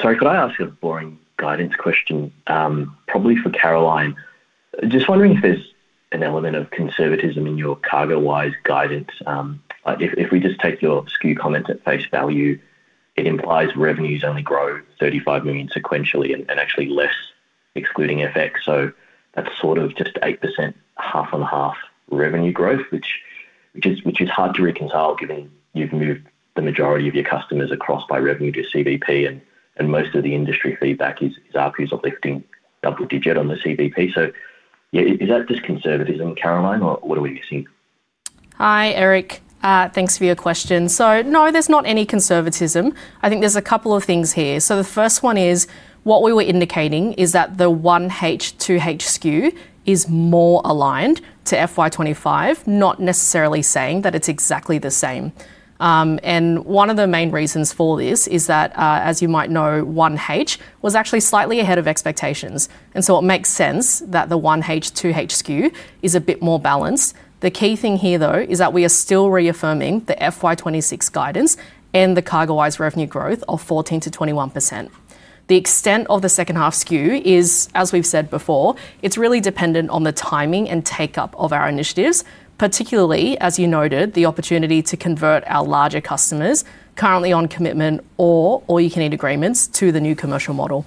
Sorry, could I ask you a boring guidance question, probably for Caroline? Just wondering if there's an element of conservatism in your CargoWise guidance. like, if we just take your SKU comment at face value, it implies revenues only grow $35 million sequentially and actually less excluding FX. That's sort of just 8%, half-on-half revenue growth, which is hard to reconcile, given you've moved the majority of your customers across by revenue to CVP, and most of the industry feedback is argues of lifting double-digit on the CVP. Yeah, is that just conservatism, Caroline, or what are we missing? Hi, Eric. Thanks for your question. No, there's not any conservatism. I think there's a couple of things here. The first one is, what we were indicating is that the 1H, 2H SKU is more aligned to FY 2025, not necessarily saying that it's exactly the same. One of the main reasons for this is that, as you might know, 1H was actually slightly ahead of expectations. It makes sense that the 1H, 2H SKU is a bit more balanced. The key thing here, though, is that we are still reaffirming the FY 2026 guidance and the CargoWise revenue growth of 14 to 21%. The extent of the second half SKU is, as we've said before, it's really dependent on the timing and take-up of our initiatives, particularly, as you noted, the opportunity to convert our larger customers currently on commitment or you can aid agreements to the new commercial model.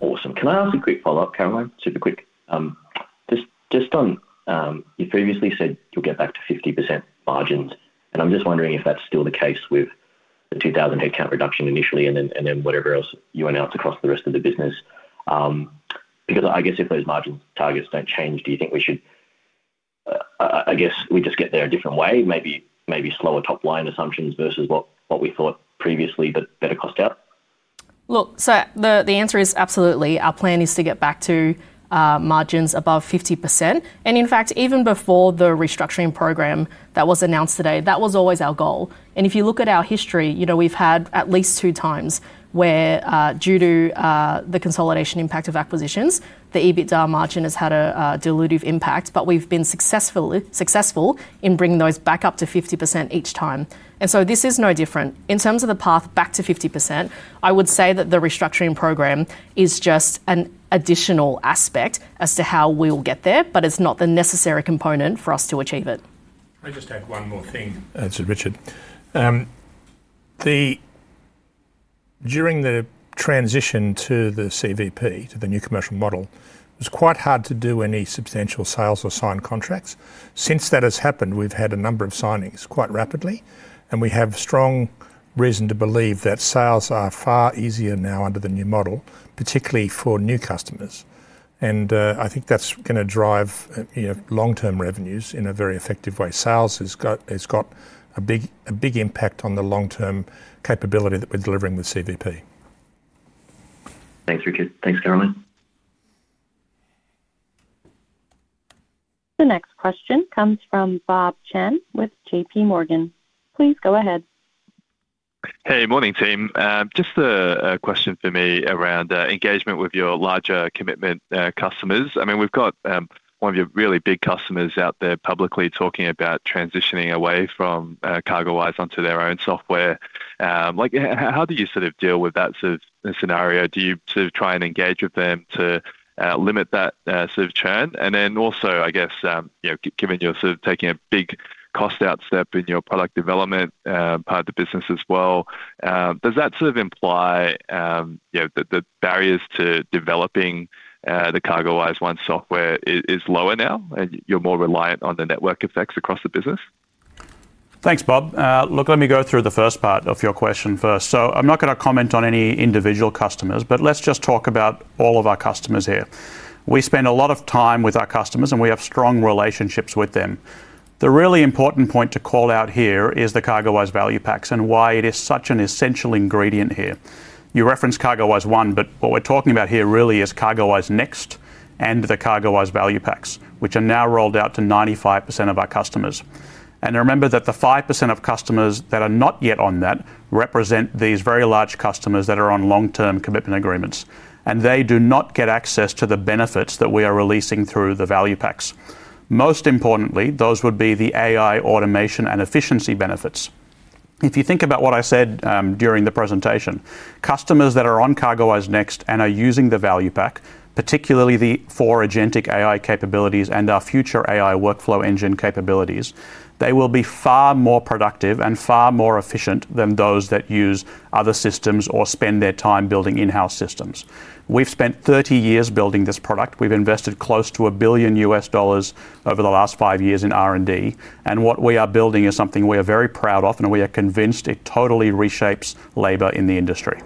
Awesome. Can I ask a quick follow-up, Caroline? Super quick. Just on, you previously said you'll get back to 50% margins, and I'm just wondering if that's still the case with the 2,000 headcount reduction initially, and then whatever else you announced across the rest of the business. I guess if those margin targets don't change, do you think we should, I guess we just get there a different way, maybe slower top-line assumptions versus what we thought previously, but better cost out? Look, the answer is absolutely. Our plan is to get back to margins above 50%. In fact, even before the restructuring program that was announced today, that was always our goal. If you look at our history, you know, we've had at least 2x where, due to the consolidation impact of acquisitions, the EBITDA margin has had a dilutive impact, but we've been successful in bringing those back up to 50% each time. This is no different. In terms of the path back to 50%, I would say that the restructuring program is just an additional aspect as to how we'll get there, but it's not the necessary component for us to achieve it. Can I just add one more thing? Richard,... During the transition to the CVP, to the new commercial model, it was quite hard to do any substantial sales or sign contracts. Since that has happened, we've had a number of signings quite rapidly, and we have strong reason to believe that sales are far easier now under the new model, particularly for new customers. I think that's gonna drive, you know, long-term revenues in a very effective way. Sales has got a big impact on the long-term capability that we're delivering with CVP. Thanks, Richard. Thanks, Caroline. The next question comes from Bob Chen with J.P. Morgan. Please go ahead. Hey, morning, team. Just a question for me around engagement with your larger commitment customers. I mean, we've got one of your really big customers out there publicly talking about transitioning away from CargoWise onto their own software. Like, how do you sort of deal with that sort of scenario? Do you sort of try and engage with them to limit that sort of churn? Also, I guess, you know, given you're sort of taking a big cost out step in your product development part of the business as well, does that sort of imply, you know, that the barriers to developing the CargoWise One software is lower now, and you're more reliant on the network effects across the business? Thanks, Bob. Look, let me go through the first part of your question first. I'm not gonna comment on any individual customers, but let's just talk about all of our customers here. We spend a lot of time with our customers, and we have strong relationships with them. The really important point to call out here is the CargoWise Value Packs and why it is such an essential ingredient here. You referenced CargoWise One, but what we're talking about here really is CargoWise Next and the CargoWise Value Packs, which are now rolled out to 95% of our customers. Remember that the 5% of customers that are not yet on that represent these very large customers that are on long-term commitment agreements, and they do not get access to the benefits that we are releasing through the Value Packs. Most importantly, those would be the AI automation and efficiency benefits. If you think about what I said during the presentation, customers that are on CargoWise Next and are using the Value Pack, particularly the 4 agentic AI capabilities and our future AI workflow engine capabilities, they will be far more productive and far more efficient than those that use other systems or spend their time building in-house systems. We've spent 30 years building this product. We've invested close to $1 billion US dollars over the last 5 years in R&D, and what we are building is something we are very proud of, and we are convinced it totally reshapes labor in the industry.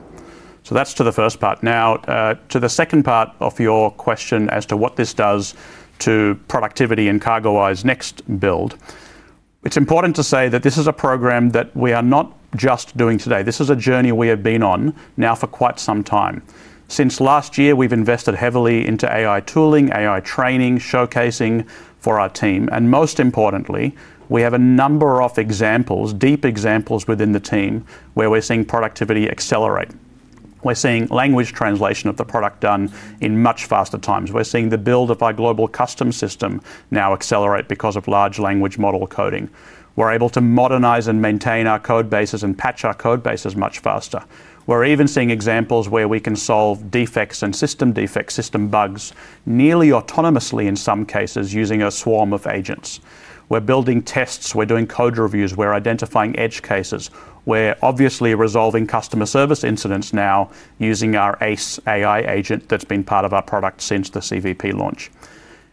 That's to the first part. Now, to the second part of your question as to what this does to productivity and CargoWise Next build. It's important to say that this is a program that we are not just doing today. This is a journey we have been on now for quite some time. Since last year, we've invested heavily into AI tooling, AI training, showcasing for our team, and most importantly, we have a number of examples, deep examples within the team where we're seeing productivity accelerate. We're seeing language translation of the product done in much faster times. We're seeing the build of our global customs system now accelerate because of large language model coding. We're able to modernize and maintain our code bases and patch our code bases much faster. We're even seeing examples where we can solve defects and system defects, system bugs, nearly autonomously in some cases, using a swarm of agents. We're building tests, we're doing code reviews, we're identifying edge cases. We're obviously resolving customer service incidents now using our Ace AI agent that's been part of our product since the CVP launch.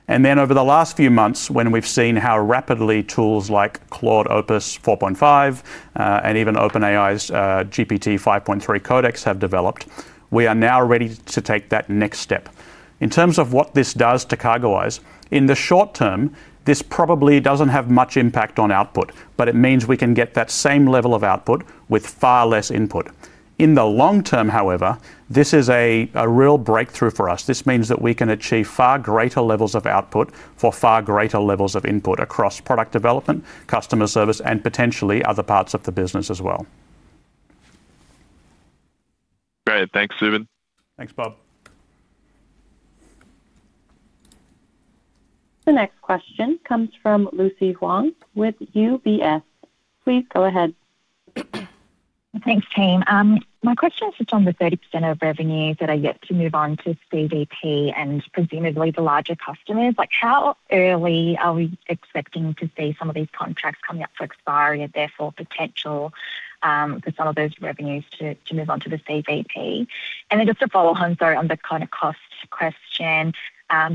Over the last few months, when we've seen how rapidly tools like Claude Opus 4.5 and even OpenAI's GPT-5.3 Codex have developed, we are now ready to take that next step. In terms of what this does to CargoWise, in the short term, this probably doesn't have much impact on output, but it means we can get that same level of output with far less input. In the long term, however, this is a real breakthrough for us. This means that we can achieve far greater levels of output for far greater levels of input across product development, customer service, and potentially other parts of the business as well. Great. Thanks, Zubin. Thanks, Bob. The next question comes from Lucy Huang with UBS. Please go ahead. Thanks, team. My question is just on the 30% of revenues that are yet to move on to CVP and presumably the larger customers. How early are we expecting to see some of these contracts coming up for expiry and therefore potential for some of those revenues to move on to the CVP? Just a follow-on, sorry, on the kind of cost question,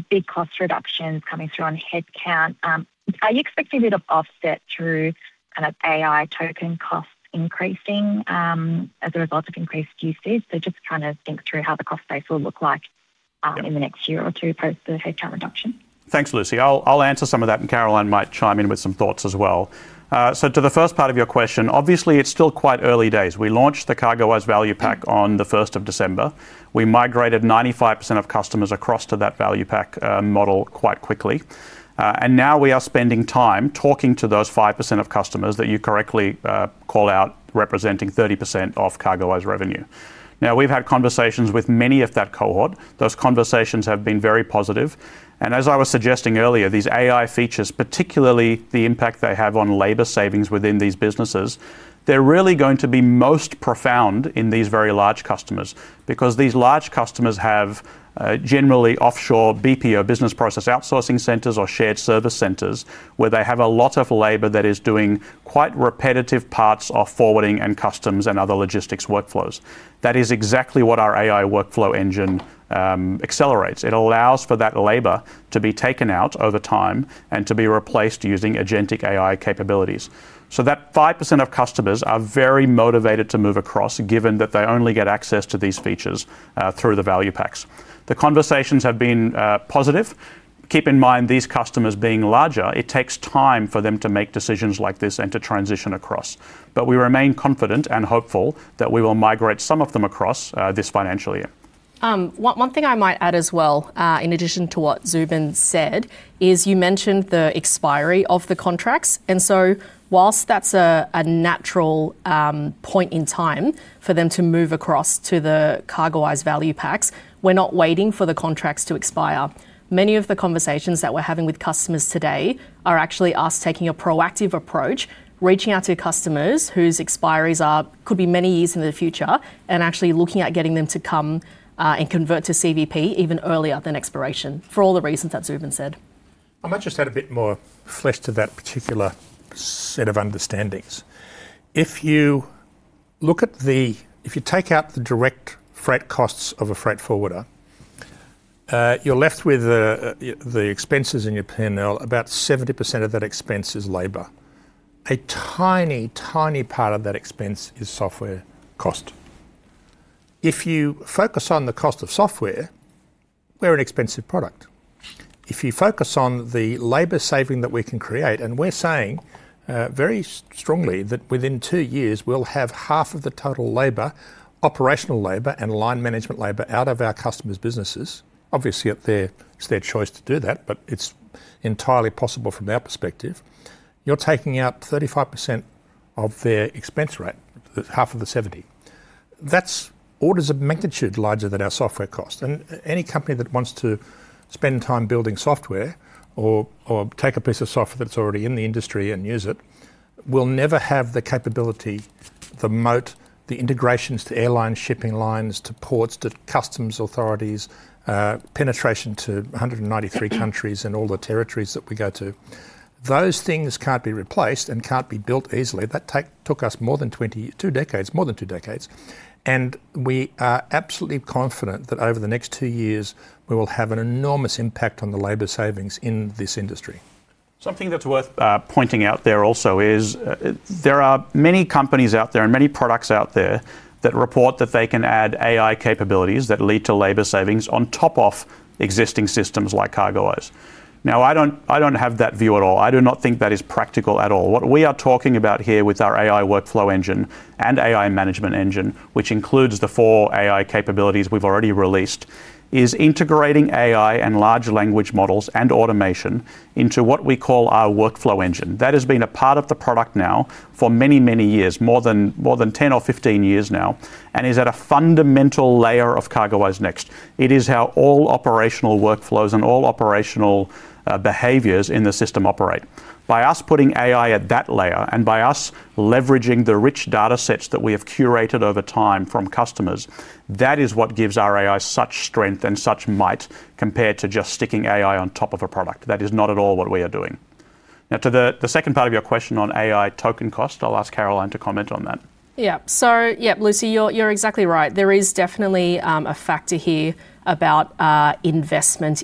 big cost reductions coming through on headcount. Are you expecting a bit of offset through kind of AI token costs increasing as a result of increased usage? Just kind of think through how the cost base will look like in the next year or two post the headcount reduction. Thanks, Lucy. I'll answer some of that, and Caroline might chime in with some thoughts as well. To the first part of your question, obviously, it's still quite early days. We launched the CargoWise Value Pack on the first of December. We migrated 95% of customers across to that value pack model quite quickly. Now we are spending time talking to those 5% of customers that you correctly call out, representing 30% of CargoWise revenue. We've had conversations with many of that cohort. Those conversations have been very positive, and as I was suggesting earlier, these AI features, particularly the impact they have on labor savings within these businesses, they're really going to be most profound in these very large customers. These large customers have generally offshore BPO, business process outsourcing centers or shared service centers, where they have a lot of labor that is doing quite repetitive parts of forwarding and customs and other logistics workflows. That is exactly what our AI workflow engine accelerates. It allows for that labor to be taken out over time and to be replaced using agentic AI capabilities. That 5% of customers are very motivated to move across, given that they only get access to these features through the Value Packs. The conversations have been positive. Keep in mind, these customers being larger, it takes time for them to make decisions like this and to transition across. We remain confident and hopeful that we will migrate some of them across this financial year. One thing I might add as well, in addition to what Zubin said, is you mentioned the expiry of the contracts. Whilst that's a natural point in time for them to move across to the CargoWise Value Packs, we're not waiting for the contracts to expire. Many of the conversations that we're having with customers today are actually us taking a proactive approach, reaching out to customers whose expiries could be many years into the future, and actually looking at getting them to come and convert to CVP even earlier than expiration, for all the reasons that Zubin said. I might just add a bit more flesh to that particular set of understandings. If you look at the if you take out the direct freight costs of a freight forwarder, you're left with the expenses in your P&L. About 70% of that expense is labor. A tiny part of that expense is software cost. If you focus on the cost of software, we're an expensive product. If you focus on the labor saving that we can create, and we're saying very strongly that within 2 years, we'll have half of the total labor, operational labor, and line management labor out of our customers' businesses. Obviously, up there, it's their choice to do that, but it's entirely possible from our perspective. You're taking out 35% of their expense rate, half of the 70. That's orders of magnitude larger than our software cost, any company that wants to spend time building software or take a piece of software that's already in the industry and use it, will never have the capability, the moat, the integrations to airline shipping lines, to ports, to customs authorities, penetration to 193 countries and all the territories that we go to. Those things can't be replaced and can't be built easily. That took us more than 2 decades. We are absolutely confident that over the next 2 years, we will have an enormous impact on the labor savings in this industry. Something that's worth pointing out there also is, there are many companies out there and many products out there that report that they can add AI capabilities that lead to labor savings on top of existing systems like CargoWise. Now, I don't have that view at all. I do not think that is practical at all. What we are talking about here with our AI workflow engine and AI management engine, which includes the four AI capabilities we've already released, is integrating AI and large language models and automation into what we call our workflow engine. That has been a part of the product now for many, many years, more than 10 or 15 years now, and is at a fundamental layer of CargoWise One Next. It is how all operational workflows and all operational behaviors in the system operate. By us putting AI at that layer, and by us leveraging the rich data sets that we have curated over time from customers, that is what gives our AI such strength and such might, compared to just sticking AI on top of a product. That is not at all what we are doing. Now, to the second part of your question on AI token cost, I'll ask Caroline to comment on that. Yeah. Lucy, you're exactly right. There is definitely a factor here about investment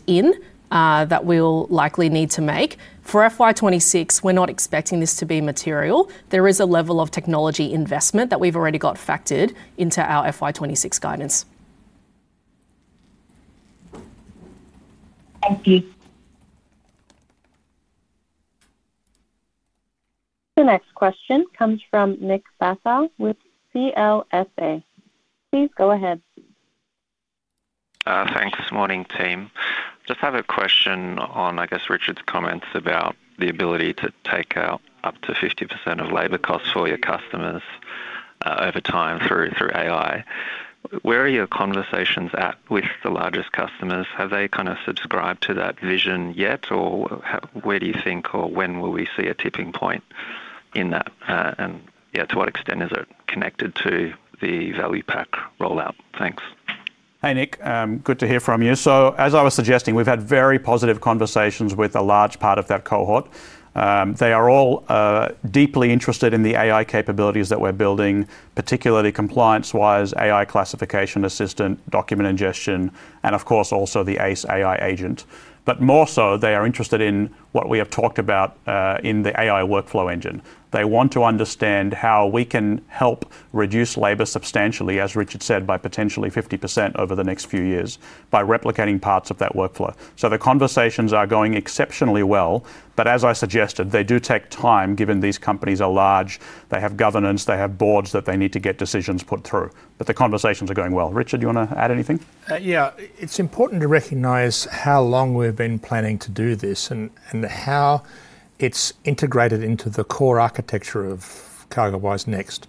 that we'll likely need to make. For FY 26, we're not expecting this to be material. There is a level of technology investment that we've already got factored into our FY 26 guidance. Thank you. The next question comes from Nicolas Foss with CLSA. Please go ahead. Thanks. Morning, team. Just have a question on, I guess, Richard's comments about the ability to take out up to 50% of labor costs for your customers over time through AI. Where are your conversations at with the largest customers? Have they kind of subscribed to that vision yet, or where do you think, or when will we see a tipping point in that? Yeah, to what extent is it connected to the Value Pack rollout? Thanks. Hi, Nick. Good to hear from you. As I was suggesting, we've had very positive conversations with a large part of that cohort. They are all deeply interested in the AI capabilities that we're building, particularly ComplianceWise, Classification Assistant, document ingestion, and of course, also the Ace AI agent. More so, they are interested in what we have talked about in the AI workflow engine. They want to understand how we can help reduce labor substantially, as Richard said, by potentially 50% over the next few years, by replicating parts of that workflow. The conversations are going exceptionally well, but as I suggested, they do take time, given these companies are large, they have governance, they have boards that they need to get decisions put through. The conversations are going well. Richard, you want to add anything? Yeah. It's important to recognize how long we've been planning to do this and, how it's integrated into the core architecture of CargoWise One Next.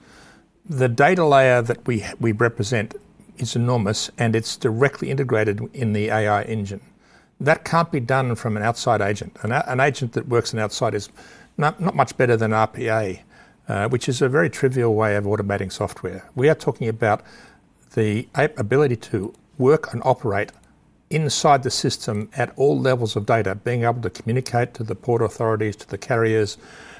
The data layer that we represent is enormous, and it's directly integrated in the AI engine. That can't be done from an outside agent. An agent that works in outside is not much better than RPA, which is a very trivial way of automating software. We are talking about the ability to work and operate inside the system at all levels of data, being able to communicate to the port authorities, to the carriers,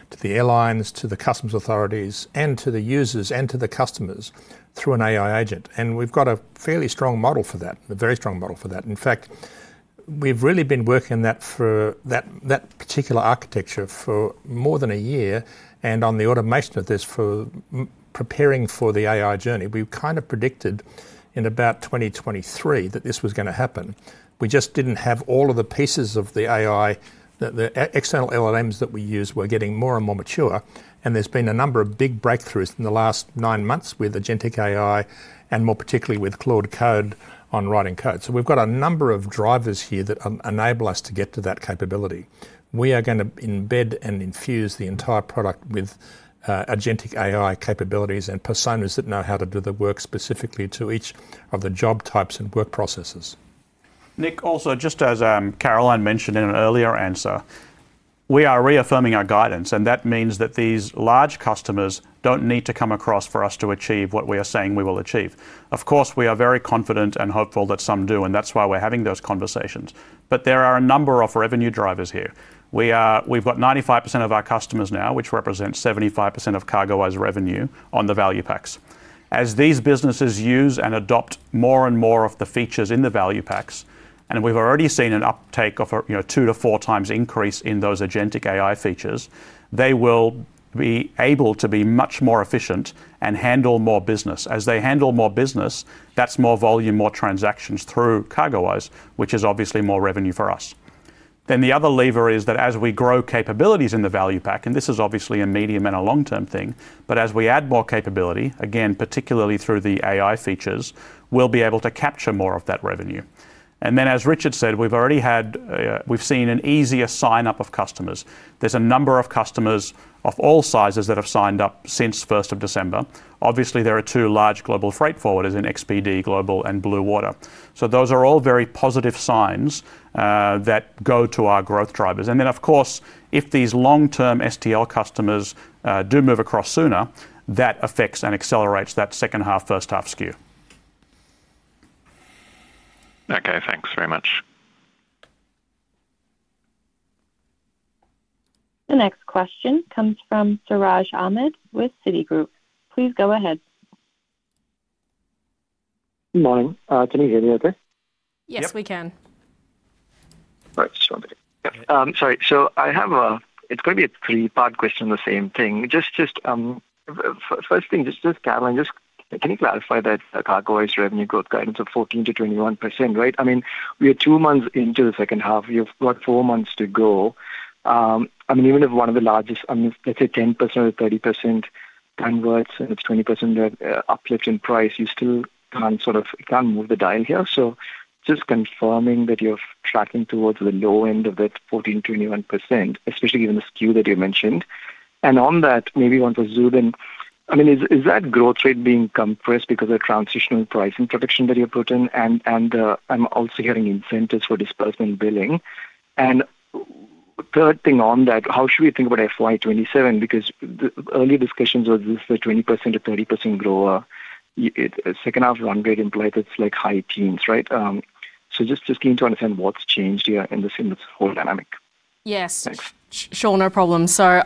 to the airlines, to the customs authorities, and to the users, and to the customers through an AI agent. We've got a fairly strong model for that, a very strong model for that. In fact. we've really been working that particular architecture for more than a year, and on the automation of this preparing for the AI journey. We've kind of predicted in about 2023 that this was gonna happen. We just didn't have all of the pieces of the AI that the external LLMs that we use were getting more and more mature, and there's been a number of big breakthroughs in the last 9 months with agentic AI, and more particularly with Claude Code on writing code. We've got a number of drivers here that enable us to get to that capability. We are gonna embed and infuse the entire product with agentic AI capabilities and personas that know how to do the work specifically to each of the job types and work processes. Nick, also, just as Caroline mentioned in an earlier answer, we are reaffirming our guidance, and that means that these large customers don't need to come across for us to achieve what we are saying we will achieve. Of course, we are very confident and hopeful that some do, and that's why we're having those conversations. There are a number of revenue drivers here. We've got 95% of our customers now, which represents 75% of CargoWise revenue on the value packs. As these businesses use and adopt more and more of the features in the value packs, and we've already seen an uptake of a, you know, 2 to 4x increase in those agentic AI features, they will be able to be much more efficient and handle more business. As they handle more business, that's more volume, more transactions through CargoWise, which is obviously more revenue for us. The other lever is that as we grow capabilities in the value pack, and this is obviously a medium and a long-term thing, but as we add more capability, again, particularly through the AI features, we'll be able to capture more of that revenue. As Richard said, we've already had, we've seen an easier sign-up of customers. There's a number of customers of all sizes that have signed up since first of December. Obviously, there are 2 large global freight forwarders in XPD Global and Blue Water. Those are all very positive signs that go to our growth drivers. Of course, if these long-term STL customers do move across sooner, that affects and accelerates that second half, first half skew. Okay, thanks very much. The next question comes from Siraj Ahmed with Citigroup. Please go ahead. Good morning. Can you hear me okay? Yep. Yes, we can. Right. Sorry about that. Sorry. I have, it's going to be a three-part question on the same thing. First thing, Caroline, can you clarify that the CargoWise revenue growth guidance of 14 to 21%, right? I mean, we are two months into the second half. You've got four months to go. I mean, even if one of the largest, I mean, let's say, 10% or 30% converts, and it's 20% uplift in price, you still can't, you can't move the dial here. Just confirming that you're tracking towards the low end of that 14 to 21%, especially given the SKU that you mentioned. On that, maybe you want to zoom in. I mean, is that growth rate being compressed because of transitional pricing protection that you've put in? I'm also hearing incentives for disbursement billing. Third thing on that, how should we think about FY 2027? Because the early discussions was this the 20 to 30% grower. Second half is on grade implied it's like high teens, right? Just keen to understand what's changed here in this, in this whole dynamic. Yes. Thanks.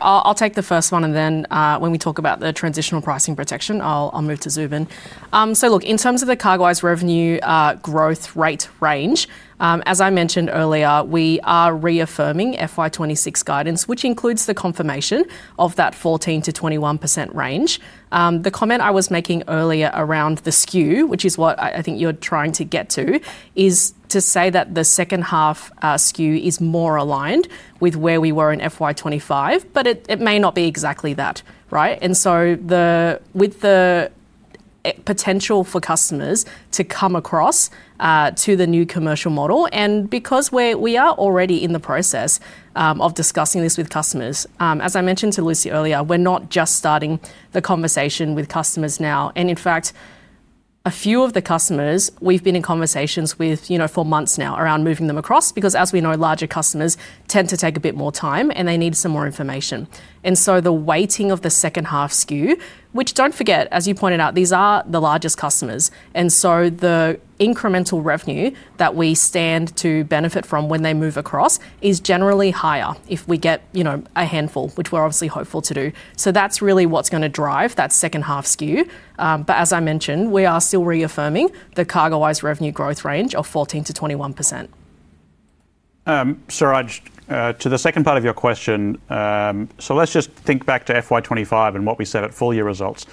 I'll take the first one, and then, when we talk about the transitional pricing protection, I'll move to Zubin. Look, in terms of the CargoWise revenue growth rate range, as I mentioned earlier, we are reaffirming FY 2026 guidance, which includes the confirmation of that 14 to 21% range. The comment I was making earlier around the SKU, which is what I think you're trying to get to, is to say that the second half SKU is more aligned with where we were in FY 2025, but it may not be exactly that, right? With the potential for customers to come across to the new commercial model, and because we are already in the process of discussing this with customers. As I mentioned to Lucy earlier, we're not just starting the conversation with customers now. In fact, a few of the customers, we've been in conversations with, you know, for months now around moving them across, because as we know, larger customers tend to take a bit more time, and they need some more information. The weighting of the second half SKU, which, don't forget, as you pointed out, these are the largest customers, and so the incremental revenue that we stand to benefit from when they move across is generally higher if we get, you know, a handful, which we're obviously hopeful to do. That's really what's gonna drive that second half SKU. As I mentioned, we are still reaffirming the CargoWise revenue growth range of 14 to 21%. Siraj, to the second part of your question, let's just think back to FY 25 and what we said at full year results.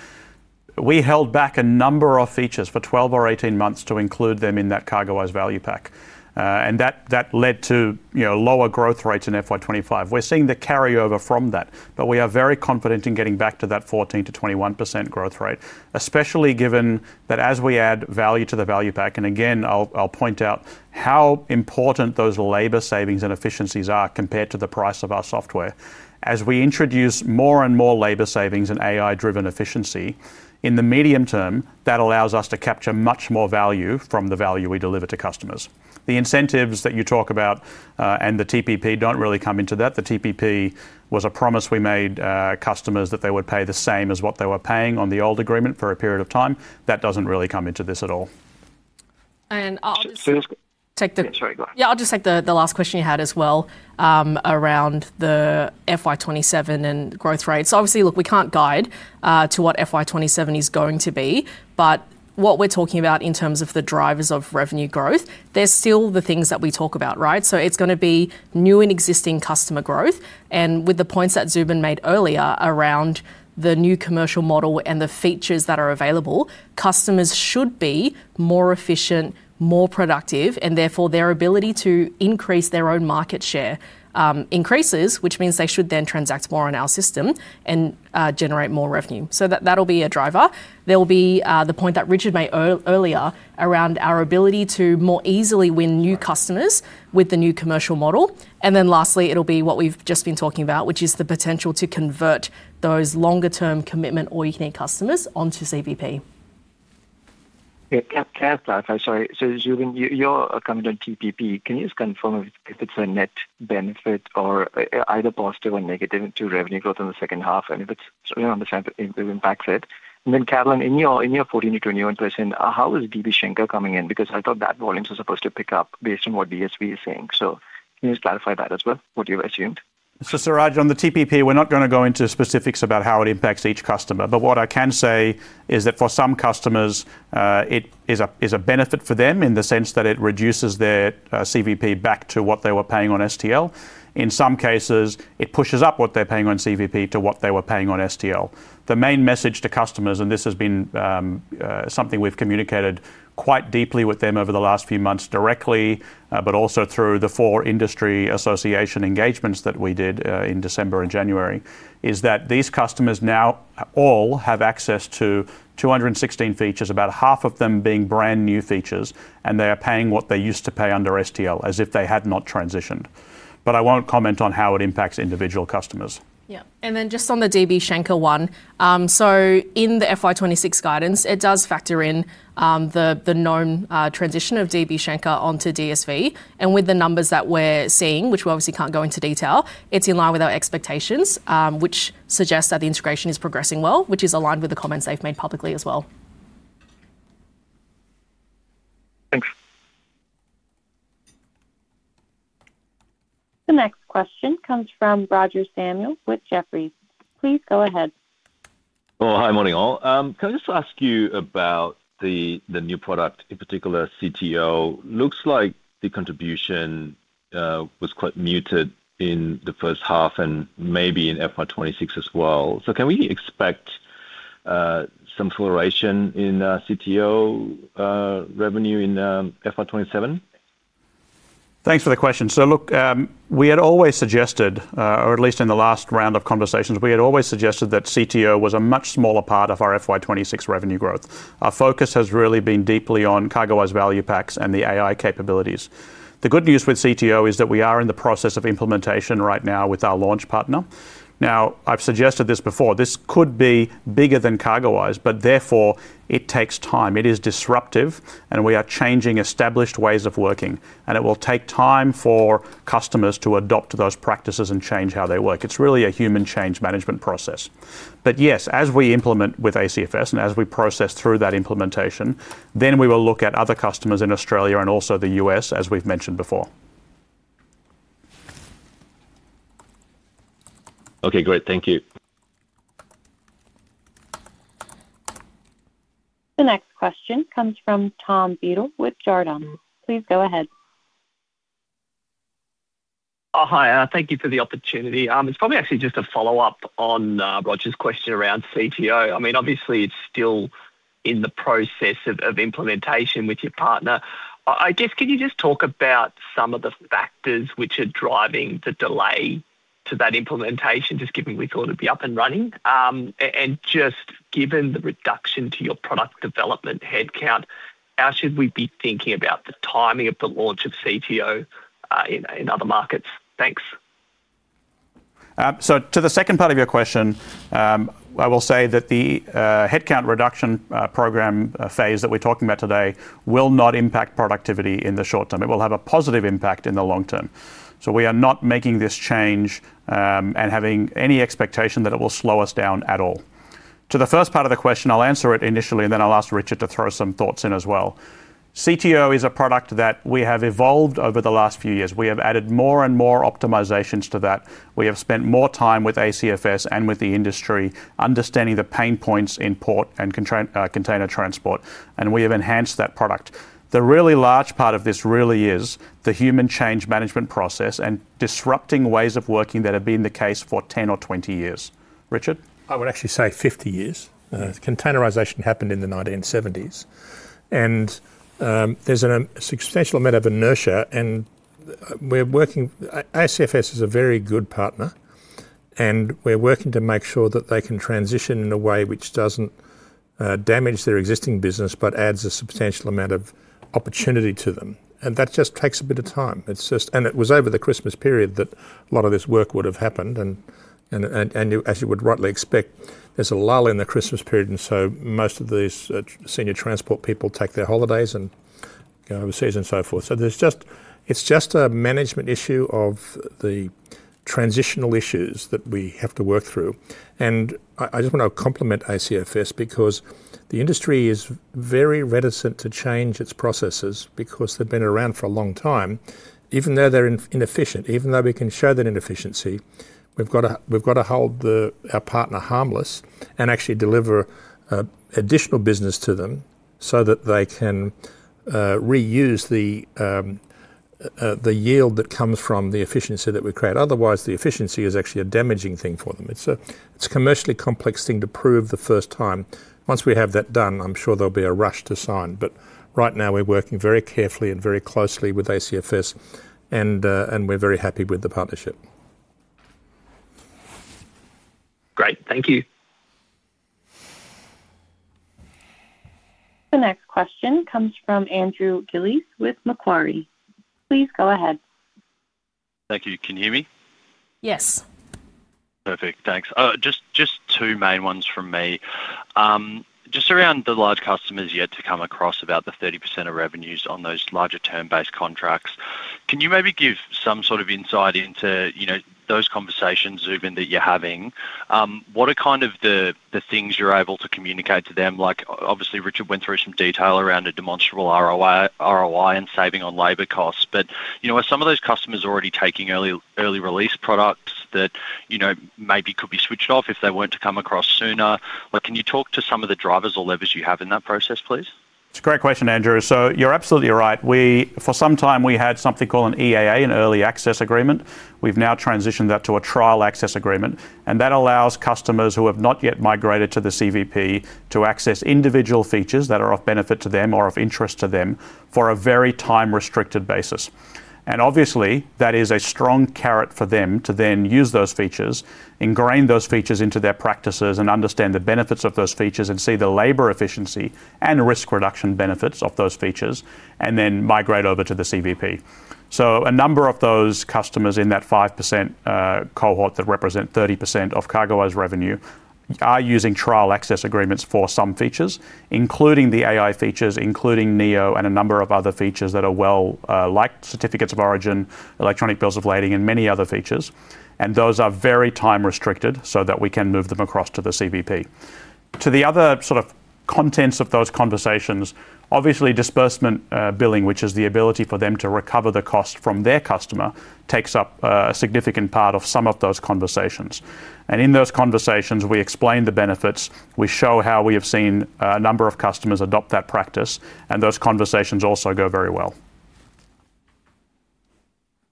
We held back a number of features for 12 or 18 months to include them in that CargoWise Value Pack, and that led to, you know, lower growth rates in FY 25. We're seeing the carryover from that, but we are very confident in getting back to that 14 to 21% growth rate, especially given that as we add value to the Value Pack, and again, I'll point out how important those labor savings and efficiencies are compared to the price of our software. As we introduce more and more labor savings and AI-driven efficiency, in the medium term, that allows us to capture much more value from the value we deliver to customers. The incentives that you talk about, and the TPP don't really come into that. The TPP was a promise we made customers that they would pay the same as what they were paying on the old agreement for a period of time. That doesn't really come into this at all.... I'll just take. Sorry, go ahead. I'll just take the last question you had as well, around the FY27 and growth rates. Obviously, look, we can't guide to what FY27 is going to be, but what we're talking about in terms of the drivers of revenue growth, they're still the things that we talk about, right? It's gonna be new and existing customer growth, and with the points that Zubin made earlier around the new commercial model and the features that are available, customers should be more efficient, more productive, and therefore their ability to increase their own market share increases, which means they should then transact more on our system and generate more revenue. That'll be a driver. There will be the point that Richard made earlier around our ability to more easily win new customers- Right with the new commercial model. Lastly, it'll be what we've just been talking about, which is the potential to convert those longer term commitment all you can eat customers onto CVP. Yeah. Can I clarify, sorry. Zubin, you're commenting on TPP. Can you just confirm if it's a net benefit or either positive or negative to revenue growth in the second half, and if it's, so we understand if it impacts it? Then, Carolyn, in your 14 to 21%, how is DB Schenker coming in? Because I thought that volumes were supposed to pick up based on what DSV is saying. Can you just clarify that as well, what you've assumed? Siraj, on the TPP, we're not gonna go into specifics about how it impacts each customer, but what I can say is that for some customers, it is a benefit for them in the sense that it reduces their CVP back to what they were paying on STL. In some cases, it pushes up what they're paying on CVP to what they were paying on STL. The main message to customers, this has been something we've communicated quite deeply with them over the last few months directly, but also through the 4 industry association engagements that we did in December and January, is that these customers now all have access to 216 features, about half of them being brand-new features, and they are paying what they used to pay under STL, as if they had not transitioned. I won't comment on how it impacts individual customers. Just on the DB Schenker one, in the FY 26 guidance, it does factor in the known transition of DB Schenker onto DSV. With the numbers that we're seeing, which we obviously can't go into detail, it's in line with our expectations, which suggests that the integration is progressing well, which is aligned with the comments they've made publicly as well. Thanks. The next question comes from Roger Samuel with Jefferies. Please go ahead. Well, hi, morning, all. Can I just ask you about the new product, in particular, CTO? Looks like the contribution was quite muted in the first half and maybe in FY 2026 as well. Can we expect some acceleration in CTO revenue in FY 2027? Thanks for the question. Look, we had always suggested, or at least in the last round of conversations, we had always suggested that CTO was a much smaller part of our FY 26 revenue growth. Our focus has really been deeply on CargoWise Value Packs and the AI capabilities. The good news with CTO is that we are in the process of implementation right now with our launch partner. I've suggested this before, this could be bigger than CargoWise, but therefore it takes time. It is disruptive, and we are changing established ways of working, and it will take time for customers to adopt those practices and change how they work. It's really a human change management process. Yes, as we implement with ACFS and as we process through that implementation, then we will look at other customers in Australia and also the U.S., as we've mentioned before. Okay, great. Thank you. The next question comes from Tom Beedle with Jarden. Please go ahead. Hi, thank you for the opportunity. It's probably actually just a follow-up on Roger's question around CTO. I mean, obviously, it's still in the process of implementation with your partner. I guess, can you just talk about some of the factors which are driving the delay to that implementation, just given we thought it'd be up and running? Just given the reduction to your product development headcount, how should we be thinking about the timing of the launch of CTO in other markets? Thanks. To the second part of your question, I will say that the headcount reduction program phase that we're talking about today will not impact productivity in the short term. It will have a positive impact in the long term. We are not making this change, and having any expectation that it will slow us down at all. The first part of the question, I'll answer it initially, and then I'll ask Richard to throw some thoughts in as well. CTO is a product that we have evolved over the last few years. We have added more and more optimizations to that. We have spent more time with ACFS and with the industry, understanding the pain points in port and container transport, and we have enhanced that product. The really large part of this really is the human change management process and disrupting ways of working that have been the case for 10 or 20 years. Richard? I would actually say 50 years. Yeah. Containerization happened in the 1970s, and there's a substantial amount of inertia. We're working. ACFS is a very good partner, and we're working to make sure that they can transition in a way which doesn't damage their existing business, but adds a substantial amount of opportunity to them. That just takes a bit of time. It's just. It was over the Christmas period that a lot of this work would have happened, and as you would rightly expect, there's a lull in the Christmas period. Most of these senior transport people take their holidays and go overseas and so forth. It's just a management issue of the.... transitional issues that we have to work through. I just want to compliment ACFS because the industry is very reticent to change its processes because they've been around for a long time, even though they're inefficient. Even though we can show that inefficiency, we've got to hold the, our partner harmless and actually deliver additional business to them so that they can reuse the yield that comes from the efficiency that we create. Otherwise, the efficiency is actually a damaging thing for them. It's a, it's a commercially complex thing to prove the first time. Once we have that done, I'm sure there'll be a rush to sign. Right now, we're working very carefully and very closely with ACFS, and we're very happy with the partnership. Great. Thank you. The next question comes from Andrew Gillies with Macquarie. Please go ahead. Thank you. Can you hear me? Yes. Perfect. Thanks. Just two main ones from me. Just around the large customers yet to come across about the 30% of revenues on those larger term-based contracts, can you maybe give some sort of insight into, you know, those conversations, Zubin, that you're having? What are kind of the things you're able to communicate to them? Like, obviously, Richard went through some detail around a demonstrable ROI and saving on labor costs. You know, are some of those customers already taking early release products that, you know, maybe could be switched off if they weren't to come across sooner? Can you talk to some of the drivers or levers you have in that process, please? It's a great question, Andrew. You're absolutely right. For some time, we had something called an EAA, an Early Access Agreement. We've now transitioned that to a Trial Access Agreement, and that allows customers who have not yet migrated to the CVP to access individual features that are of benefit to them or of interest to them for a very time-restricted basis. Obviously, that is a strong carrot for them to then use those features, ingrain those features into their practices, and understand the benefits of those features, and see the labor efficiency and risk reduction benefits of those features, and then migrate over to the CVP. A number of those customers in that 5% cohort that represent 30% of CargoWise revenue are using Trial Access Agreements for some features, including the AI features, including Neo and a number of other features that are well liked: certificates of origin, electronic bills of lading, and many other features. Those are very time-restricted so that we can move them across to the CVP. To the other sort of contents of those conversations, obviously, disbursement billing, which is the ability for them to recover the cost from their customer, takes up a significant part of some of those conversations. In those conversations, we explain the benefits, we show how we have seen a number of customers adopt that practice, and those conversations also go very well.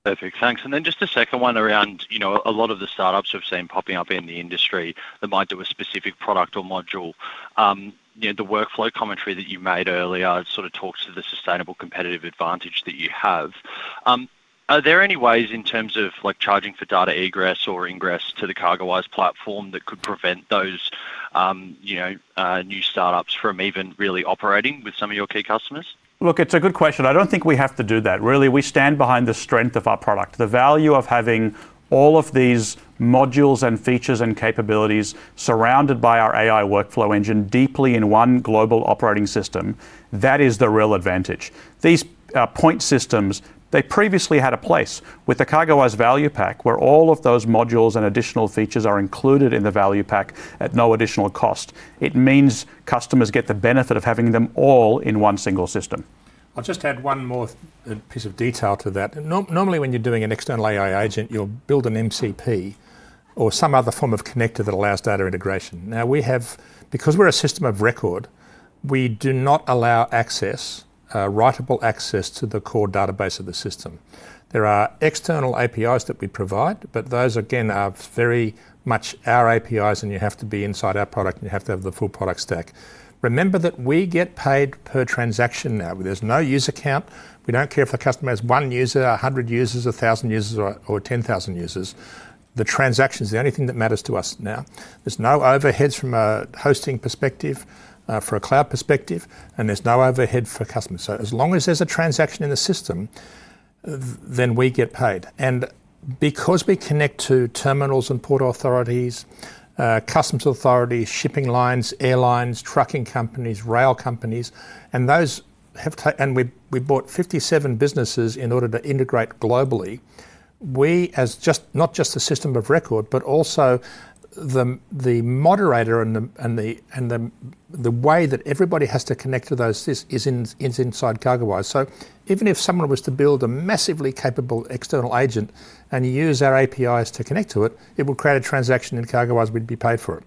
Perfect. Thanks. Just a second one around, you know, a lot of the startups we've seen popping up in the industry that might do a specific product or module. You know, the workflow commentary that you made earlier sort of talks to the sustainable competitive advantage that you have. Are there any ways in terms of, like, charging for data egress or ingress to the CargoWise platform that could prevent those, you know, new startups from even really operating with some of your key customers? Look, it's a good question. I don't think we have to do that. Really, we stand behind the strength of our product. The value of having all of these modules, and features, and capabilities surrounded by our AI workflow engine, deeply in one global operating system, that is the real advantage. These point systems, they previously had a place. With the CargoWise Value Pack, where all of those modules and additional features are included in the value pack at no additional cost, it means customers get the benefit of having them all in one single system. I'll just add one more piece of detail to that. Normally, when you're doing an external AI agent, you'll build an MCP or some other form of connector that allows data integration. Because we're a system of record, we do not allow access, writable access to the core database of the system. There are external APIs that we provide, but those, again, are very much our APIs, and you have to be inside our product, and you have to have the full product stack. Remember that we get paid per transaction now. There's no user count. We don't care if a customer has 1 user, 100 users, 1,000 users, or 10,000 users. The transaction is the only thing that matters to us now. There's no overheads from a hosting perspective, for a cloud perspective, and there's no overhead for customers. As long as there's a transaction in the system, then we get paid. Because we connect to terminals and port authorities, customs authorities, shipping lines, airlines, trucking companies, rail companies, and we bought 57 businesses in order to integrate globally, we, as just, not just a system of record, but also the moderator and the way that everybody has to connect to those is inside CargoWise. Even if someone was to build a massively capable external agent, and you use our APIs to connect to it will create a transaction in CargoWise, we'd be paid for it.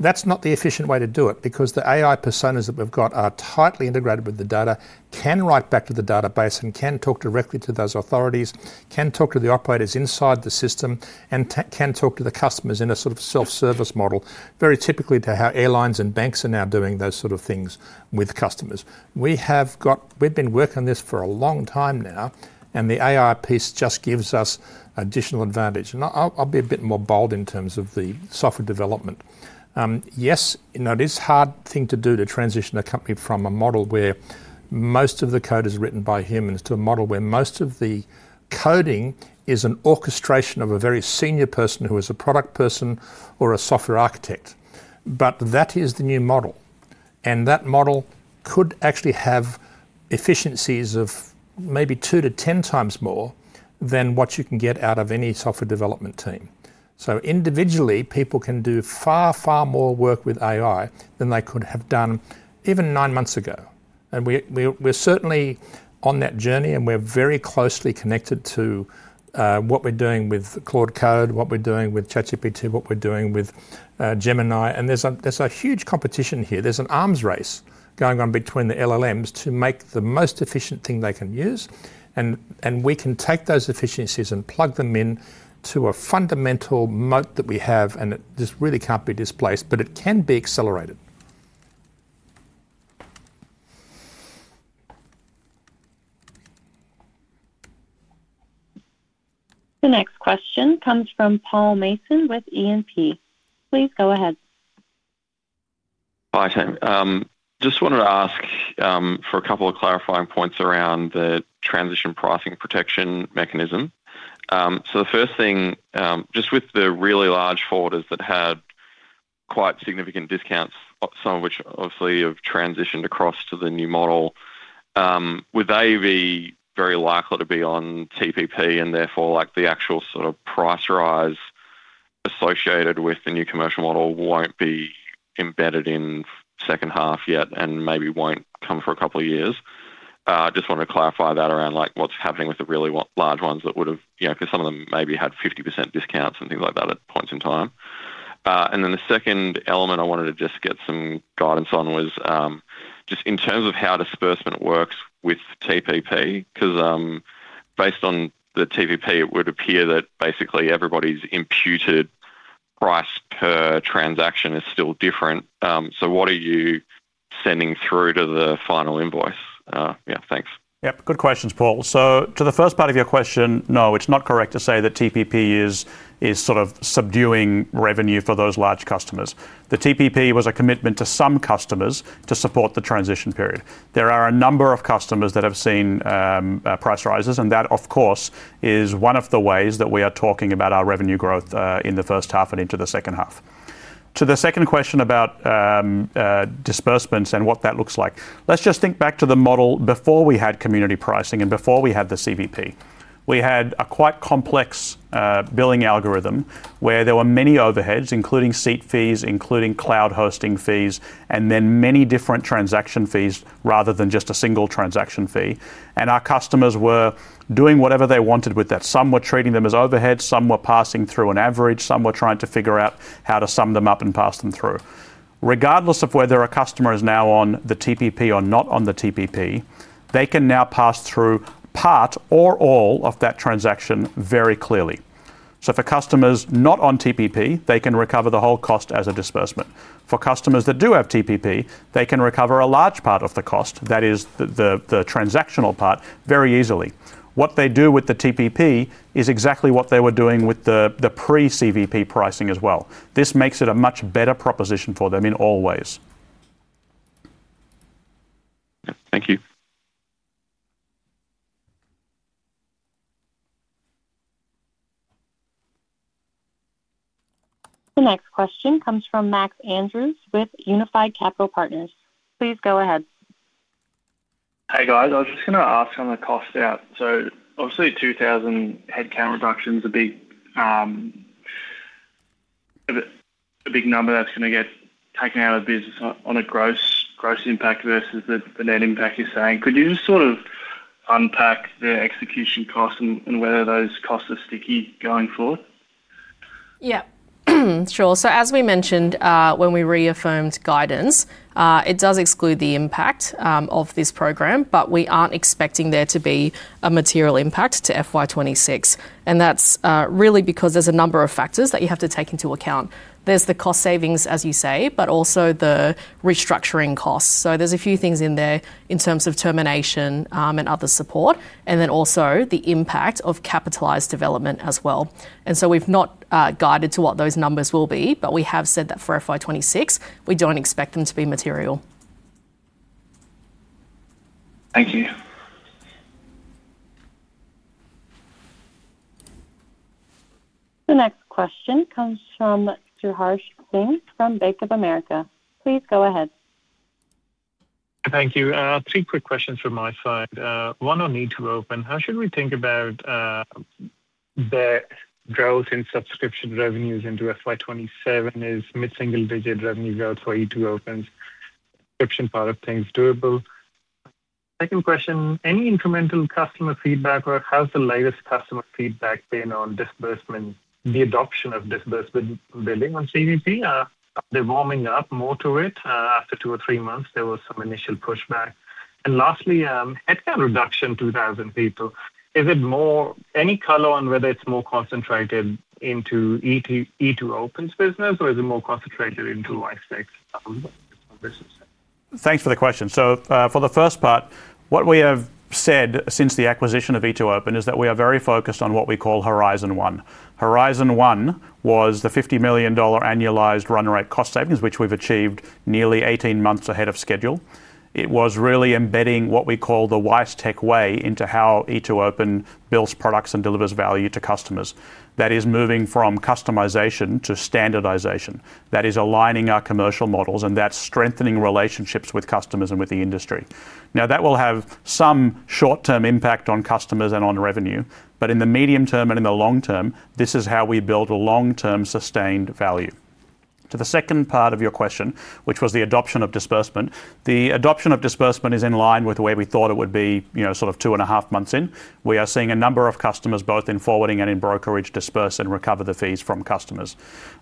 That's not the efficient way to do it, because the AI personas that we've got are tightly integrated with the data, can write back to the database, can talk directly to those authorities, can talk to the operators inside the system, and can talk to the customers in a sort of self-service model, very typically to how airlines and banks are now doing those sort of things with customers. We've been working on this for a long time now, the AI piece just gives us additional advantage. I'll be a bit more bold in terms of the software development. Yes, you know, it is hard thing to do to transition a company from a model where most of the code is written by humans to a model where most of the coding is an orchestration of a very senior person who is a product person or a software architect, but that is the new model. That model could actually have efficiencies of maybe two to 10x more than what you can get out of any software development team. Individually, people can do far, far more work with AI than they could have done even nine months ago. We're certainly on that journey, and we're very closely connected to what we're doing with Claude Code, what we're doing with ChatGPT, what we're doing with Gemini. There's a huge competition here. There's an arms race going on between the LLMs to make the most efficient thing they can use, and we can take those efficiencies and plug them in to a fundamental moat that we have, and it just really can't be displaced, but it can be accelerated. The next question comes from Paul Mason with E&P. Please go ahead. Hi, Tim. Just wanted to ask for a couple of clarifying points around the transition pricing protection mechanism. The first thing, just with the really large folders that had quite significant discounts, some of which obviously have transitioned across to the new model, would they be very likely to be on TPP, and therefore, like, the actual sort of price rise associated with the new commercial model won't be embedded in second half yet and maybe won't come for a couple of years? I just wanted to clarify that around, like, what's happening with the really large ones that would have... Yeah, 'cause some of them maybe had 50% discounts and things like that at points in time. The second element I wanted to just get some guidance on was just in terms of how disbursement works with TPP, 'cause based on the TPP, it would appear that basically everybody's imputed price per transaction is still different. What are you sending through to the final invoice? Yeah, thanks. Yep, good questions, Paul. To the first part of your question, no, it's not correct to say that TPP is sort of subduing revenue for those large customers. The TPP was a commitment to some customers to support the transition period. There are a number of customers that have seen price rises, and that, of course, is one of the ways that we are talking about our revenue growth in the first half and into the second half. To the second question about disbursements and what that looks like, let's just think back to the model before we had community pricing and before we had the CVP. We had a quite complex billing algorithm where there were many overheads, including seat fees, including cloud hosting fees, and then many different transaction fees, rather than just a single transaction fee. Our customers were doing whatever they wanted with that. Some were treating them as overheads, some were passing through an average, some were trying to figure out how to sum them up and pass them through. Regardless of whether a customer is now on the TPP or not on the TPP, they can now pass through part or all of that transaction very clearly. For customers not on TPP, they can recover the whole cost as a disbursement. For customers that do have TPP, they can recover a large part of the cost, that is the transactional part, very easily. What they do with the TPP is exactly what they were doing with the pre-CVP pricing as well. This makes it a much better proposition for them in all ways. Thank you. The next question comes from Max Andrews with Unified Capital Partners. Please go ahead. Hey, guys. I was just gonna ask on the cost out. Obviously, 2,000 headcount reduction is a big number that's gonna get taken out of the business on a gross impact versus the net impact you're saying. Could you just sort of unpack the execution costs and whether those costs are sticky going forward? Yeah, sure. As we mentioned, when we reaffirmed guidance, it does exclude the impact of this program, but we aren't expecting there to be a material impact to FY26, and that's really because there's a number of factors that you have to take into account. There's the cost savings, as you say, but also the restructuring costs. There's a few things in there in terms of termination, and other support, and then also the impact of capitalized development as well. We've not guided to what those numbers will be, but we have said that for FY26, we don't expect them to be material. Thank you. The next question comes from Sriharsh Singh from Bank of America. Please go ahead. Thank you. Three quick questions from my side. One on E2open. How should we think about the growth in subscription revenues into FY27 is mid-single-digit revenue growth for E2open's subscription part of things durable? Second question: Any incremental customer feedback, or how's the latest customer feedback been on disbursement, the adoption of disbursement billing on CVP? Are they warming up more to it after two or three months? There was some initial pushback. Lastly, headcount reduction, 2,000 people. Is it more Any color on whether it's more concentrated into E2open's business, or is it more concentrated into WiseTech business? Thanks for the question. For the first part, what we have said since the acquisition of E2open is that we are very focused on what we call Horizon 1. Horizon 1 was the 50 million dollar annualized run rate cost savings, which we've achieved nearly 18 months ahead of schedule. It was really embedding what we call the WiseTech way into how e2open builds products and delivers value to customers. That is moving from customization to standardization. That is aligning our commercial models, and that's strengthening relationships with customers and with the industry. That will have some short-term impact on customers and on revenue, but in the medium term and in the long term, this is how we build a long-term, sustained value. To the second part of your question, which was the adoption of disbursement. The adoption of disbursement is in line with the way we thought it would be, you know, sort of 2 and a half months in. We are seeing a number of customers, both in forwarding and in brokerage, disperse and recover the fees from customers.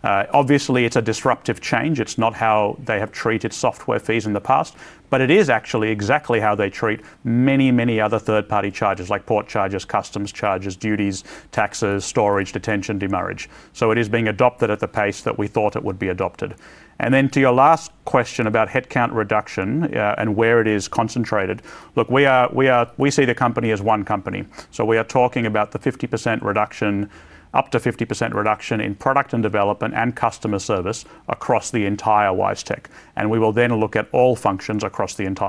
Obviously, it's a disruptive change. It's not how they have treated software fees in the past, but it is actually exactly how they treat many, many other third-party charges, like port charges, customs charges, duties, taxes, storage, detention, demurrage. It is being adopted at the pace that we thought it would be adopted. Then to your last question about headcount reduction, and where it is concentrated. We see the company as one company, so we are talking about the 50% reduction, up to 50% reduction in product and development and customer service across the entire WiseTech, and we will then look at all functions across the entire business.